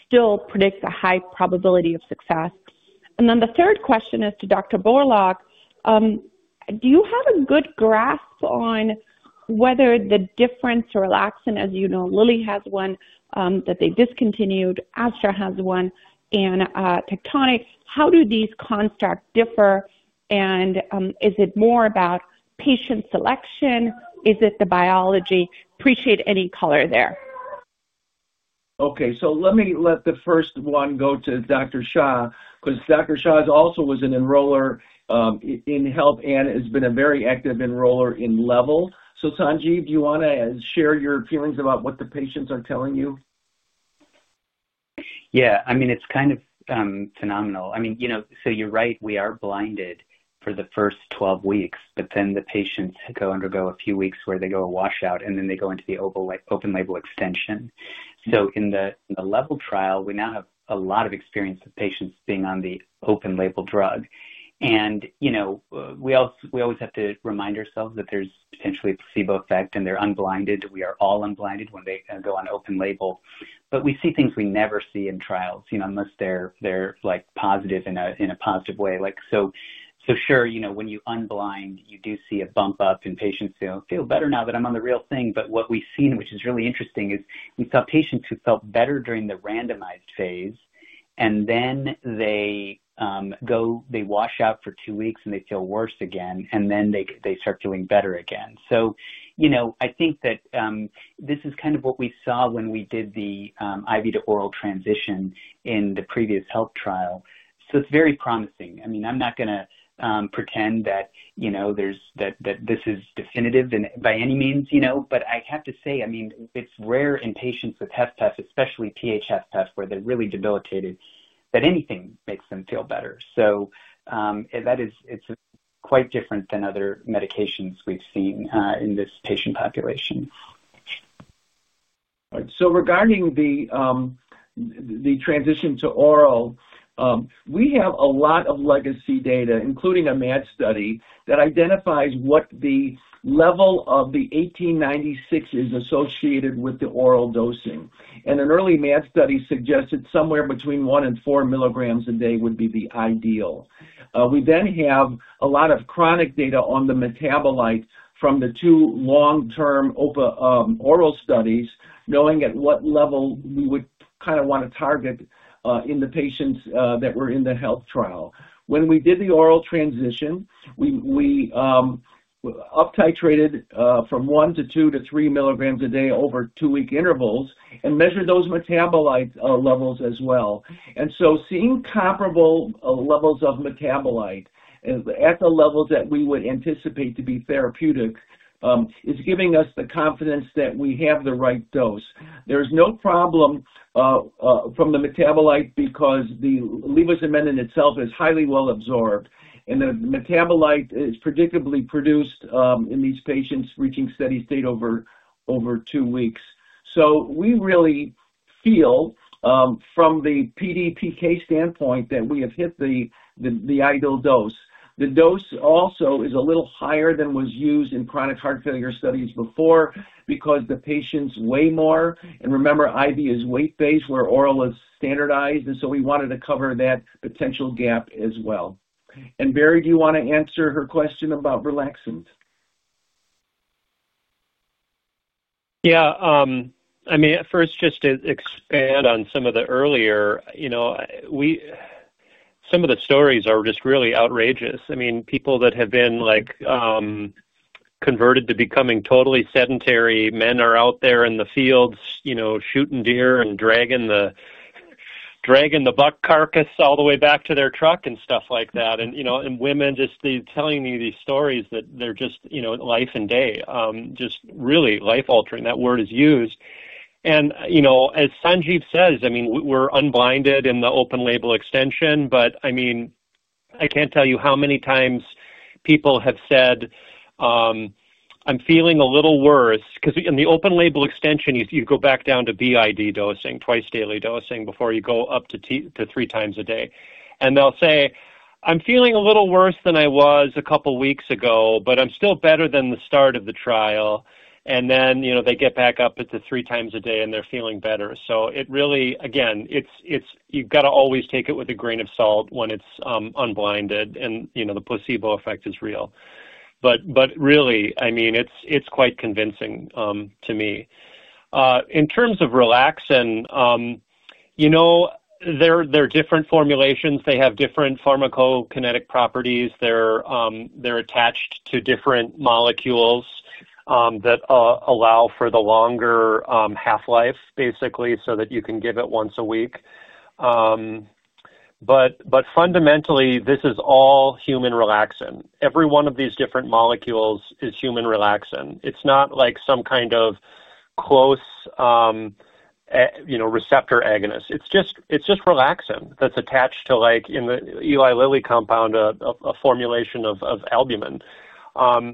still predicts a high probability of success. The third question is to Dr. Borlaug, do you have a good grasp on whether the difference or Relaxin, as you know, Lilly has one that they discontinued, Astra has one, and Tectonic, how do these constructs differ? Is it more about patient selection? Is it the biology? Appreciate any color there. Okay. Let me let the first one go to Dr. Shah because Dr. Shah also was an enroller in HELP and has been a very active enroller in LEVEL. Sanjiv, do you want to share your feelings about what the patients are telling you? Yeah. I mean, it's kind of phenomenal. I mean, you're right. We are blinded for the first 12 weeks, but then the patients go undergo a few weeks where they go wash out, and then they go into the open label extension. In the LEVEL trial, we now have a lot of experience with patients being on the open label drug. We always have to remind ourselves that there's potentially a placebo effect, and they're unblinded. We are all unblinded when they go on open label. We see things we never see in trials unless they're positive in a positive way. Sure, when you unblind, you do see a bump up in patients who feel better now that I'm on the real thing. What we've seen, which is really interesting, is we saw patients who felt better during the randomized phase, and then they wash out for two weeks, and they feel worse again, and then they start feeling better again. I think that this is kind of what we saw when we did the IV to oral transition in the previous HELP trial. It's very promising. I mean, I'm not going to pretend that this is definitive by any means. I have to say, I mean, it's rare in patients with HFpEF, especially PH-HFpEF, where they're really debilitated, that anything makes them feel better. It's quite different than other medications we've seen in this patient population. Regarding the transition to oral, we have a lot of legacy data, including a MAD study, that identifies what the level of the 1896 is associated with the oral dosing. An early MAD study suggested somewhere between one and four milligrams a day would be the ideal. We then have a lot of chronic data on the metabolite from the two long-term oral studies, knowing at what level we would kind of want to target in the patients that were in the HELP trial. When we did the oral transition, we up-titrated from one to two to three milligrams a day over two-week intervals and measured those metabolite levels as well. Seeing comparable levels of metabolite at the levels that we would anticipate to be therapeutic is giving us the confidence that we have the right dose. There is no problem from the metabolite because the levosimendan itself is highly well absorbed, and the metabolite is predictably produced in these patients reaching steady state over two weeks. We really feel from the PDPK standpoint that we have hit the ideal dose. The dose also is a little higher than was used in chronic heart failure studies before because the patients weigh more. Remember, IV is weight-based where oral is standardized. We wanted to cover that potential gap as well. Barry, do you want to answer her question about Relaxin? Yeah. I mean, first, just to expand on some of the earlier, some of the stories are just really outrageous. I mean, people that have been converted to becoming totally sedentary men are out there in the fields shooting deer and dragging the buck carcass all the way back to their truck and stuff like that. Women just telling me these stories that they're just life and day, just really life-altering. That word is used. As Sanjiv says, I mean, we're unblinded in the open label extension, but I mean, I can't tell you how many times people have said, "I'm feeling a little worse," because in the open label extension, you go back down to BID dosing, twice-daily dosing before you go up to three times a day. They'll say, "I'm feeling a little worse than I was a couple of weeks ago, but I'm still better than the start of the trial." They get back up to three times a day, and they're feeling better. It really, again, you've got to always take it with a grain of salt when it's unblinded, and the placebo effect is real. Really, I mean, it's quite convincing to me. In terms of Relaxin, there are different formulations. They have different pharmacokinetic properties. They're attached to different molecules that allow for the longer half-life, basically, so that you can give it once a week. Fundamentally, this is all human Relaxin. Every one of these different molecules is human Relaxin. It's not like some kind of close receptor agonist. It's just Relaxin that's attached to, in the Eli Lilly compound, a formulation of albumin. I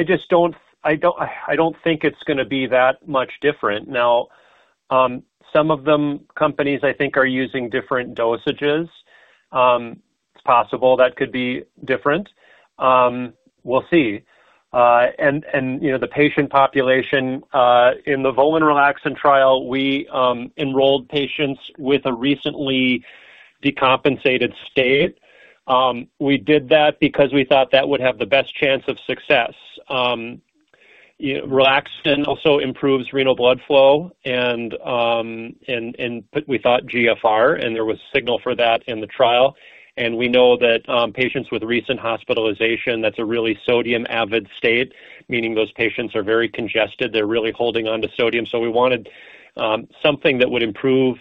don't think it's going to be that much different. Now, some of the companies, I think, are using different dosages. It's possible that could be different. We'll see. The patient population in the VOLAN Relaxin trial, we enrolled patients with a recently decompensated state. We did that because we thought that would have the best chance of success. Relaxin also improves renal blood flow, and we thought GFR, and there was signal for that in the trial. We know that patients with recent hospitalization, that's a really sodium-avid state, meaning those patients are very congested. They're really holding on to sodium. We wanted something that would improve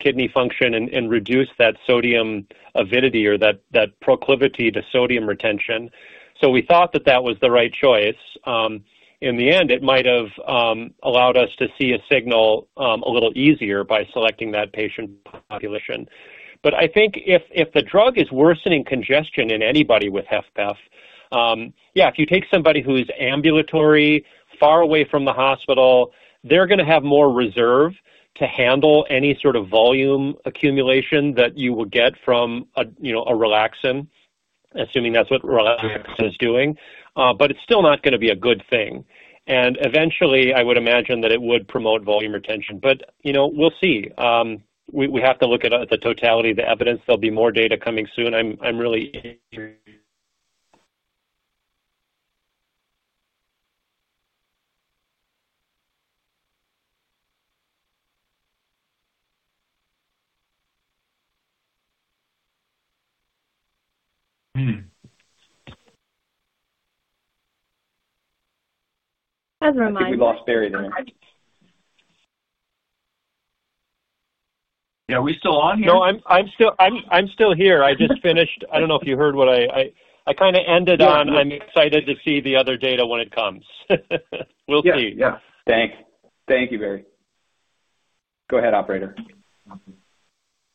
kidney function and reduce that sodium avidity or that proclivity to sodium retention. We thought that that was the right choice. In the end, it might have allowed us to see a signal a little easier by selecting that patient population. I think if the drug is worsening congestion in anybody with HFpEF, yeah, if you take somebody who is ambulatory, far away from the hospital, they're going to have more reserve to handle any sort of volume accumulation that you will get from a Relaxin, assuming that's what Relaxin is doing. It is still not going to be a good thing. Eventually, I would imagine that it would promote volume retention. We'll see. We have to look at the totality of the evidence. There'll be more data coming soon. I'm really interested. As a reminder. We lost Barry there. Yeah. Are we still on here? No, I'm still here. I just finished. I don't know if you heard what I kind of ended on. I'm excited to see the other data when it comes. We'll see. Yeah. Yeah. Thanks. Thank you, Barry. Go ahead, operator.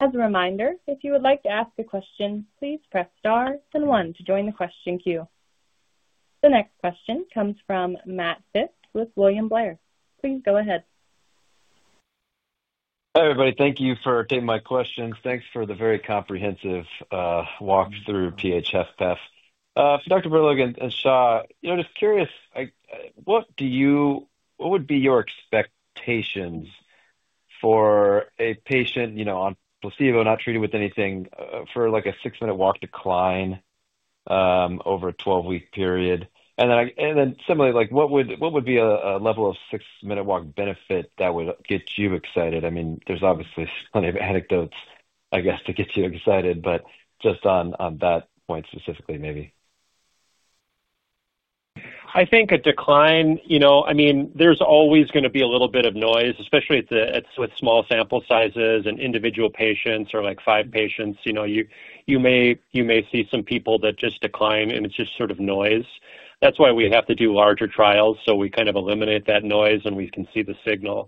As a reminder, if you would like to ask a question, please press star and one to join the question queue. The next question comes from Matt Phipps with William Blair. Please go ahead. Hi, everybody. Thank you for taking my questions. Thanks for the very comprehensive walkthrough of PH-HFpEF. Dr. Borlaug and Shah, just curious, what would be your expectations for a patient on placebo, not treated with anything, for a six-minute walk decline over a 12-week period? And then similarly, what would be a level of six-minute walk benefit that would get you excited? I mean, there's obviously plenty of anecdotes, I guess, to get you excited, but just on that point specifically, maybe. I think a decline, I mean, there's always going to be a little bit of noise, especially with small sample sizes and individual patients or five patients. You may see some people that just decline, and it's just sort of noise. That's why we have to do larger trials, so we kind of eliminate that noise and we can see the signal.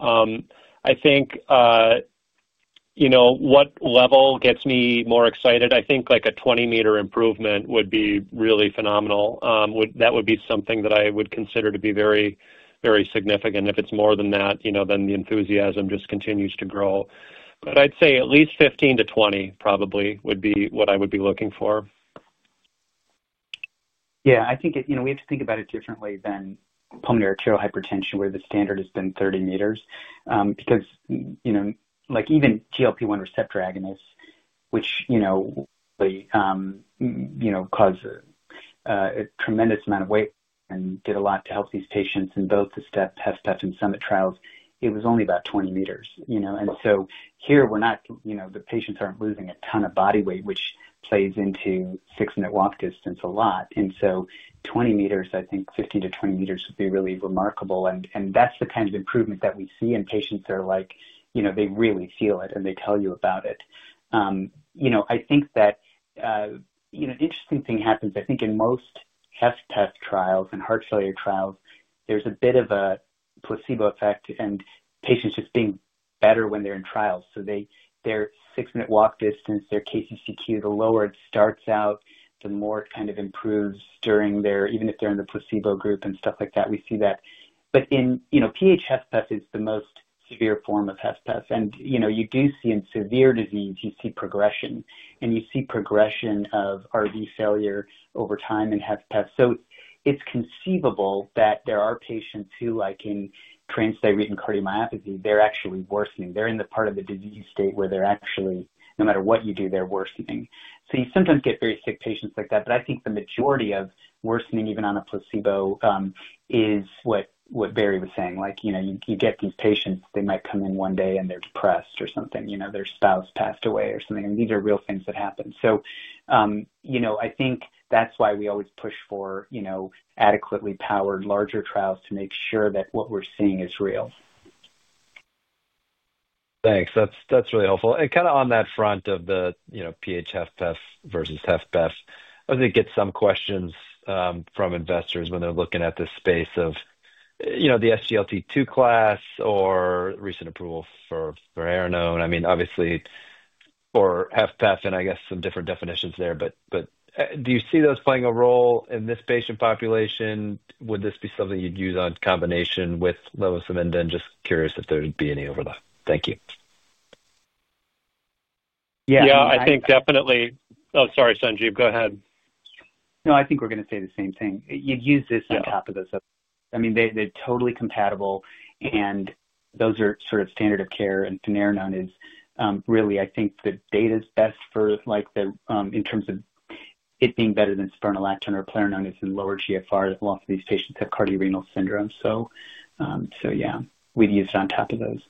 I think what LEVEL gets me more excited? I think a 20-meter improvement would be really phenomenal. That would be something that I would consider to be very, very significant. If it's more than that, then the enthusiasm just continues to grow. I'd say at least 15-20 probably would be what I would be looking for. Yeah. I think we have to think about it differently than pulmonary arterial hypertension, where the standard has been 30 meters because even GLP-1 receptor agonists, which caused a tremendous amount of weight and did a lot to help these patients in both the STEP, HFpEF, and SUMMIT trials, it was only about 20 meters. Here, the patients are not losing a ton of body weight, which plays into six-minute walk distance a lot. Twenty meters, I think 15-20 meters would be really remarkable. That is the kind of improvement that we see in patients that are like, they really feel it, and they tell you about it. I think that an interesting thing happens. I think in most HFpEF trials and heart failure trials, there is a bit of a placebo effect, and patients just being better when they are in trials. Their six-minute walk distance, their KCCQ, the lower it starts out, the more it kind of improves during their, even if they're in the placebo group and stuff like that, we see that. PH-HFpEF is the most severe form of HFpEF. You do see in severe disease, you see progression, and you see progression of RV failure over time in HFpEF. It is conceivable that there are patients who in transthyretin cardiomyopathy, they're actually worsening. They're in the part of the disease state where they're actually, no matter what you do, they're worsening. You sometimes get very sick patients like that. I think the majority of worsening, even on a placebo, is what Barry was saying. You get these patients, they might come in one day, and they're depressed or something. Their spouse passed away or something. These are real things that happen. I think that's why we always push for adequately powered larger trials to make sure that what we're seeing is real. Thanks. That's really helpful. And kind of on that front of the PH-HFpEF versus HFpEF, I was going to get some questions from investors when they're looking at this space of the SGLT2 class or recent approval for Aranone. I mean, obviously, for HFpEF and I guess some different definitions there. But do you see those playing a role in this patient population? Would this be something you'd use in combination with levosimendan? Just curious if there'd be any overlap. Thank you. Yeah. I think definitely oh, sorry, Sanjiv. Go ahead. No, I think we're going to say the same thing. You'd use this on top of those others. I mean, they're totally compatible, and those are sort of standard of care. And finerenone is really, I think the data is best for in terms of it being better than spironolactone or eplerenone is in lower GFR, a lot of these patients have cardiorenal syndrome. So yeah, we'd use it on top of those.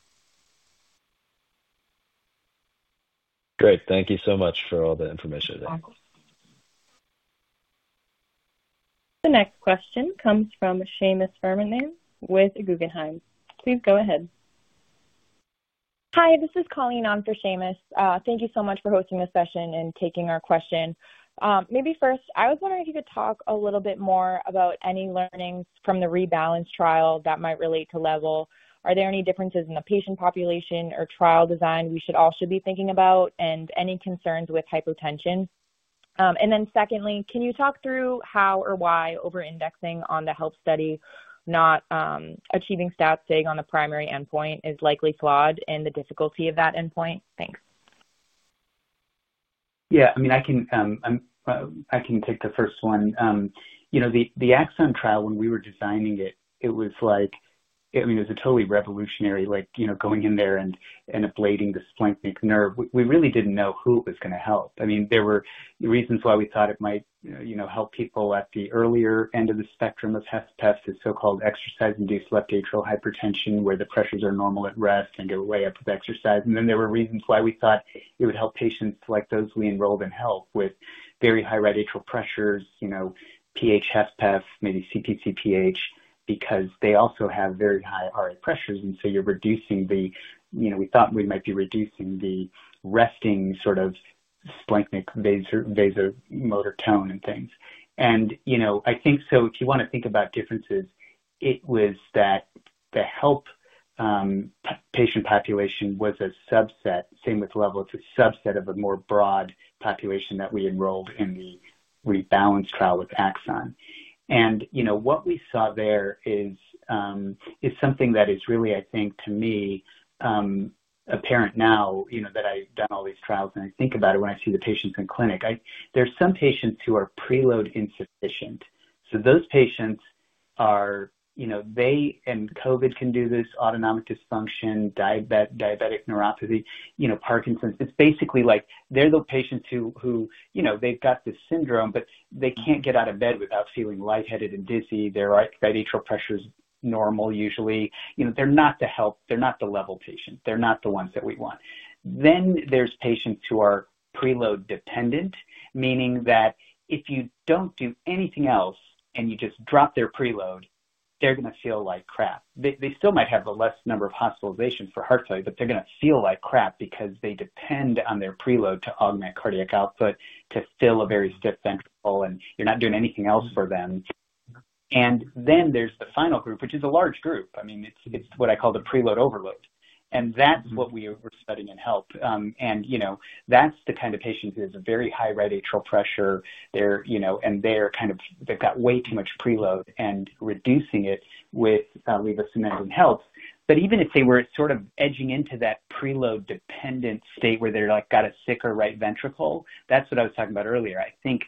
Great. Thank you so much for all the information today. The next question comes from Seamus Fernandez with Guggenheim. Please go ahead. Hi, this is Colleen on for Seamus. Thank you so much for hosting this session and taking our question. Maybe first, I was wondering if you could talk a little bit more about any learnings from the REBALANCE trial that might relate to LEVEL. Are there any differences in the patient population or trial design we should all be thinking about and any concerns with hypotension? Secondly, can you talk through how or why over-indexing on the HELP study, not achieving stats, saying on the primary endpoint is likely flawed and the difficulty of that endpoint? Thanks. Yeah. I mean, I can take the first one. The Axon trial, when we were designing it, it was like, I mean, it was a totally revolutionary going in there and ablating the splenic nerve. We really didn't know who it was going to help. I mean, there were reasons why we thought it might help people at the earlier end of the spectrum of HFpEF, the so-called exercise-induced left atrial hypertension, where the pressures are normal at rest and go way up with exercise. There were reasons why we thought it would help patients like those we enrolled in HELP with very high right atrial pressures, PH-HFpEF, maybe CPCPH, because they also have very high RA pressures. You are reducing the, we thought we might be reducing the resting sort of splenic vasomotor tone and things. I think if you want to think about differences, it was that the HELP patient population was a subset, same with LEVEL, it's a subset of a more broad population that we enrolled in the REBALANCE trial with Axon. What we saw there is something that is really, I think, to me, apparent now that I've done all these trials, and I think about it when I see the patients in clinic. There are some patients who are preload insufficient. Those patients are, they and COVID can do this, autonomic dysfunction, diabetic neuropathy, Parkinson's. It's basically like they're the patients who, they've got this syndrome, but they can't get out of bed without feeling lightheaded and dizzy. Their right atrial pressure is normal, usually. They're not the HELP. They're not the LEVEL patient. They're not the ones that we want. There are patients who are preload dependent, meaning that if you do not do anything else and you just drop their preload, they are going to feel like crap. They still might have a less number of hospitalizations for heart failure, but they are going to feel like crap because they depend on their preload to augment cardiac output to fill a very stiff ventricle, and you are not doing anything else for them. There is the final group, which is a large group. I mean, it is what I call the preload overload. That is what we were studying in HELP. That is the kind of patient who has a very high right atrial pressure, and they have got way too much preload and reducing it with levosimendan helps. Even if they were sort of edging into that preload dependent state where they're like got a sicker right ventricle, that's what I was talking about earlier. I think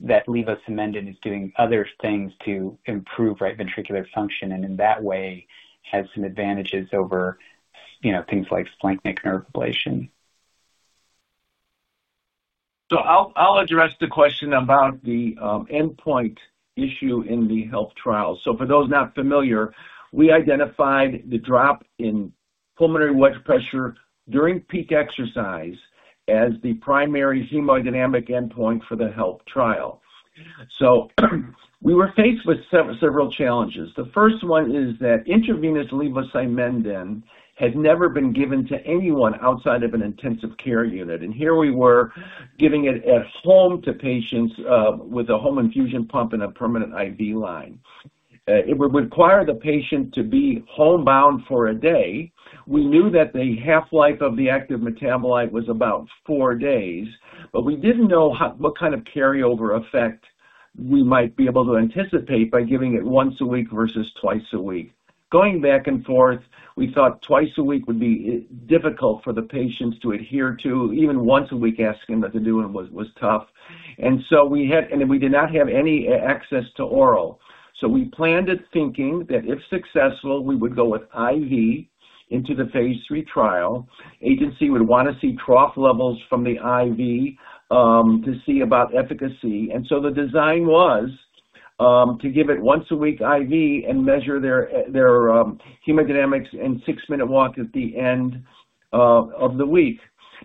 that levosimendan is doing other things to improve right ventricular function and in that way has some advantages over things like splenic nerve ablation. I'll address the question about the endpoint issue in the HELP trial. For those not familiar, we identified the drop in pulmonary blood pressure during peak exercise as the primary hemodynamic endpoint for the HELP trial. We were faced with several challenges. The first one is that intravenous levosimendan had never been given to anyone outside of an intensive care unit. Here we were giving it at home to patients with a home infusion pump and a permanent IV line. It would require the patient to be homebound for a day. We knew that the half-life of the active metabolite was about four days, but we did not know what kind of carryover effect we might be able to anticipate by giving it once a week versus twice a week. Going back and forth, we thought twice a week would be difficult for the patients to adhere to. Even once a week asking them to do it was tough. We did not have any access to oral. We planned it thinking that if successful, we would go with IV into the phase three trial. Agency would want to see trough levels from the IV to see about efficacy. The design was to give it once a week IV and measure their hemodynamics and six-minute walk at the end of the week.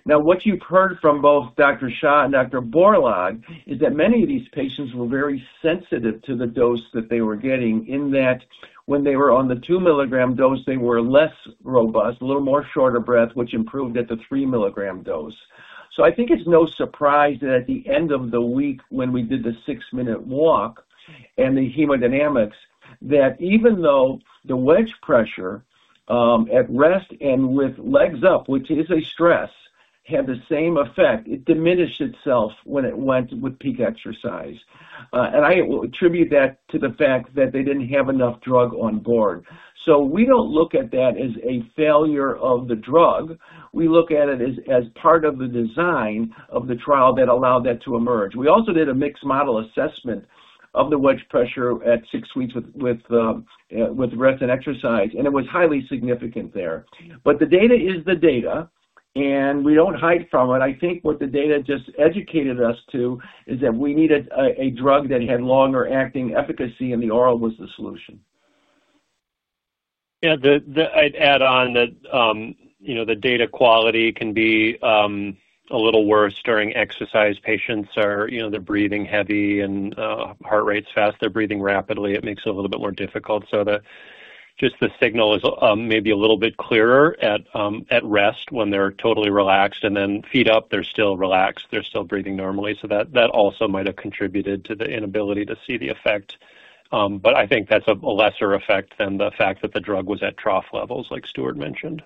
Now, what you've heard from both Dr. Shah and Dr. Borlaug is that many of these patients were very sensitive to the dose that they were getting in that when they were on the 2-milligram dose, they were less robust, a little more short of breath, which improved at the 3-milligram dose. I think it's no surprise that at the end of the week when we did the six-minute walk and the hemodynamics, that even though the wedge pressure at rest and with legs up, which is a stress, had the same effect, it diminished itself when it went with peak exercise. I attribute that to the fact that they didn't have enough drug on board. We don't look at that as a failure of the drug. We look at it as part of the design of the trial that allowed that to emerge. We also did a mixed model assessment of the wedge pressure at six weeks with rest and exercise, and it was highly significant there. The data is the data, and we do not hide from it. I think what the data just educated us to is that we needed a drug that had longer-acting efficacy, and the oral was the solution. Yeah. I'd add on that the data quality can be a little worse during exercise. Patients are, they're breathing heavy and heart rate's fast. They're breathing rapidly. It makes it a little bit more difficult. Just the signal is maybe a little bit clearer at rest when they're totally relaxed, and then feet up, they're still relaxed. They're still breathing normally. That also might have contributed to the inability to see the effect. I think that's a lesser effect than the fact that the drug was at trough levels, like Stuart mentioned.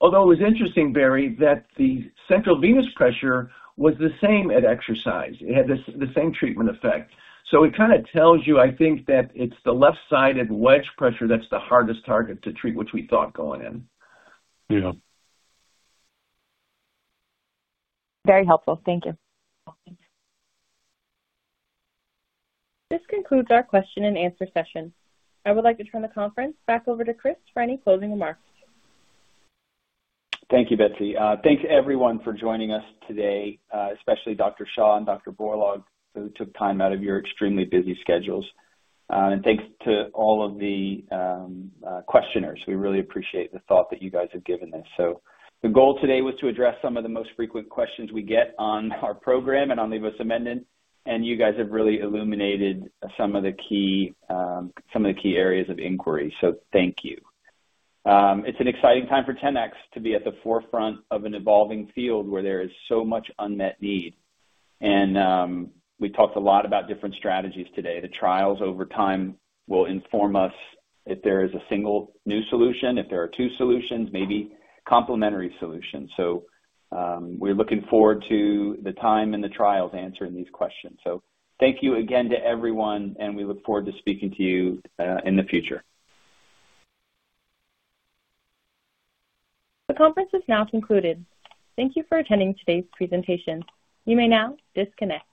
Although it was interesting, Barry, that the central venous pressure was the same at exercise. It had the same treatment effect. It kind of tells you, I think, that it's the left-sided wedge pressure that's the hardest target to treat, which we thought going in. Yeah. Very helpful. Thank you. This concludes our question-and-answer session. I would like to turn the conference back over to Chris for any closing remarks. Thank you, Betsy. Thanks, everyone, for joining us today, especially Dr. Shah and Dr. Borlaug, who took time out of your extremely busy schedules. Thanks to all of the questioners. We really appreciate the thought that you guys have given this. The goal today was to address some of the most frequent questions we get on our program and on levosimendan. You guys have really illuminated some of the key areas of inquiry. Thank you. It's an exciting time for Tenax to be at the forefront of an evolving field where there is so much unmet need. We talked a lot about different strategies today. The trials over time will inform us if there is a single new solution, if there are two solutions, maybe complementary solutions. We're looking forward to the time and the trials answering these questions. Thank you again to everyone, and we look forward to speaking to you in the future. The conference is now concluded. Thank you for attending today's presentation. You may now disconnect.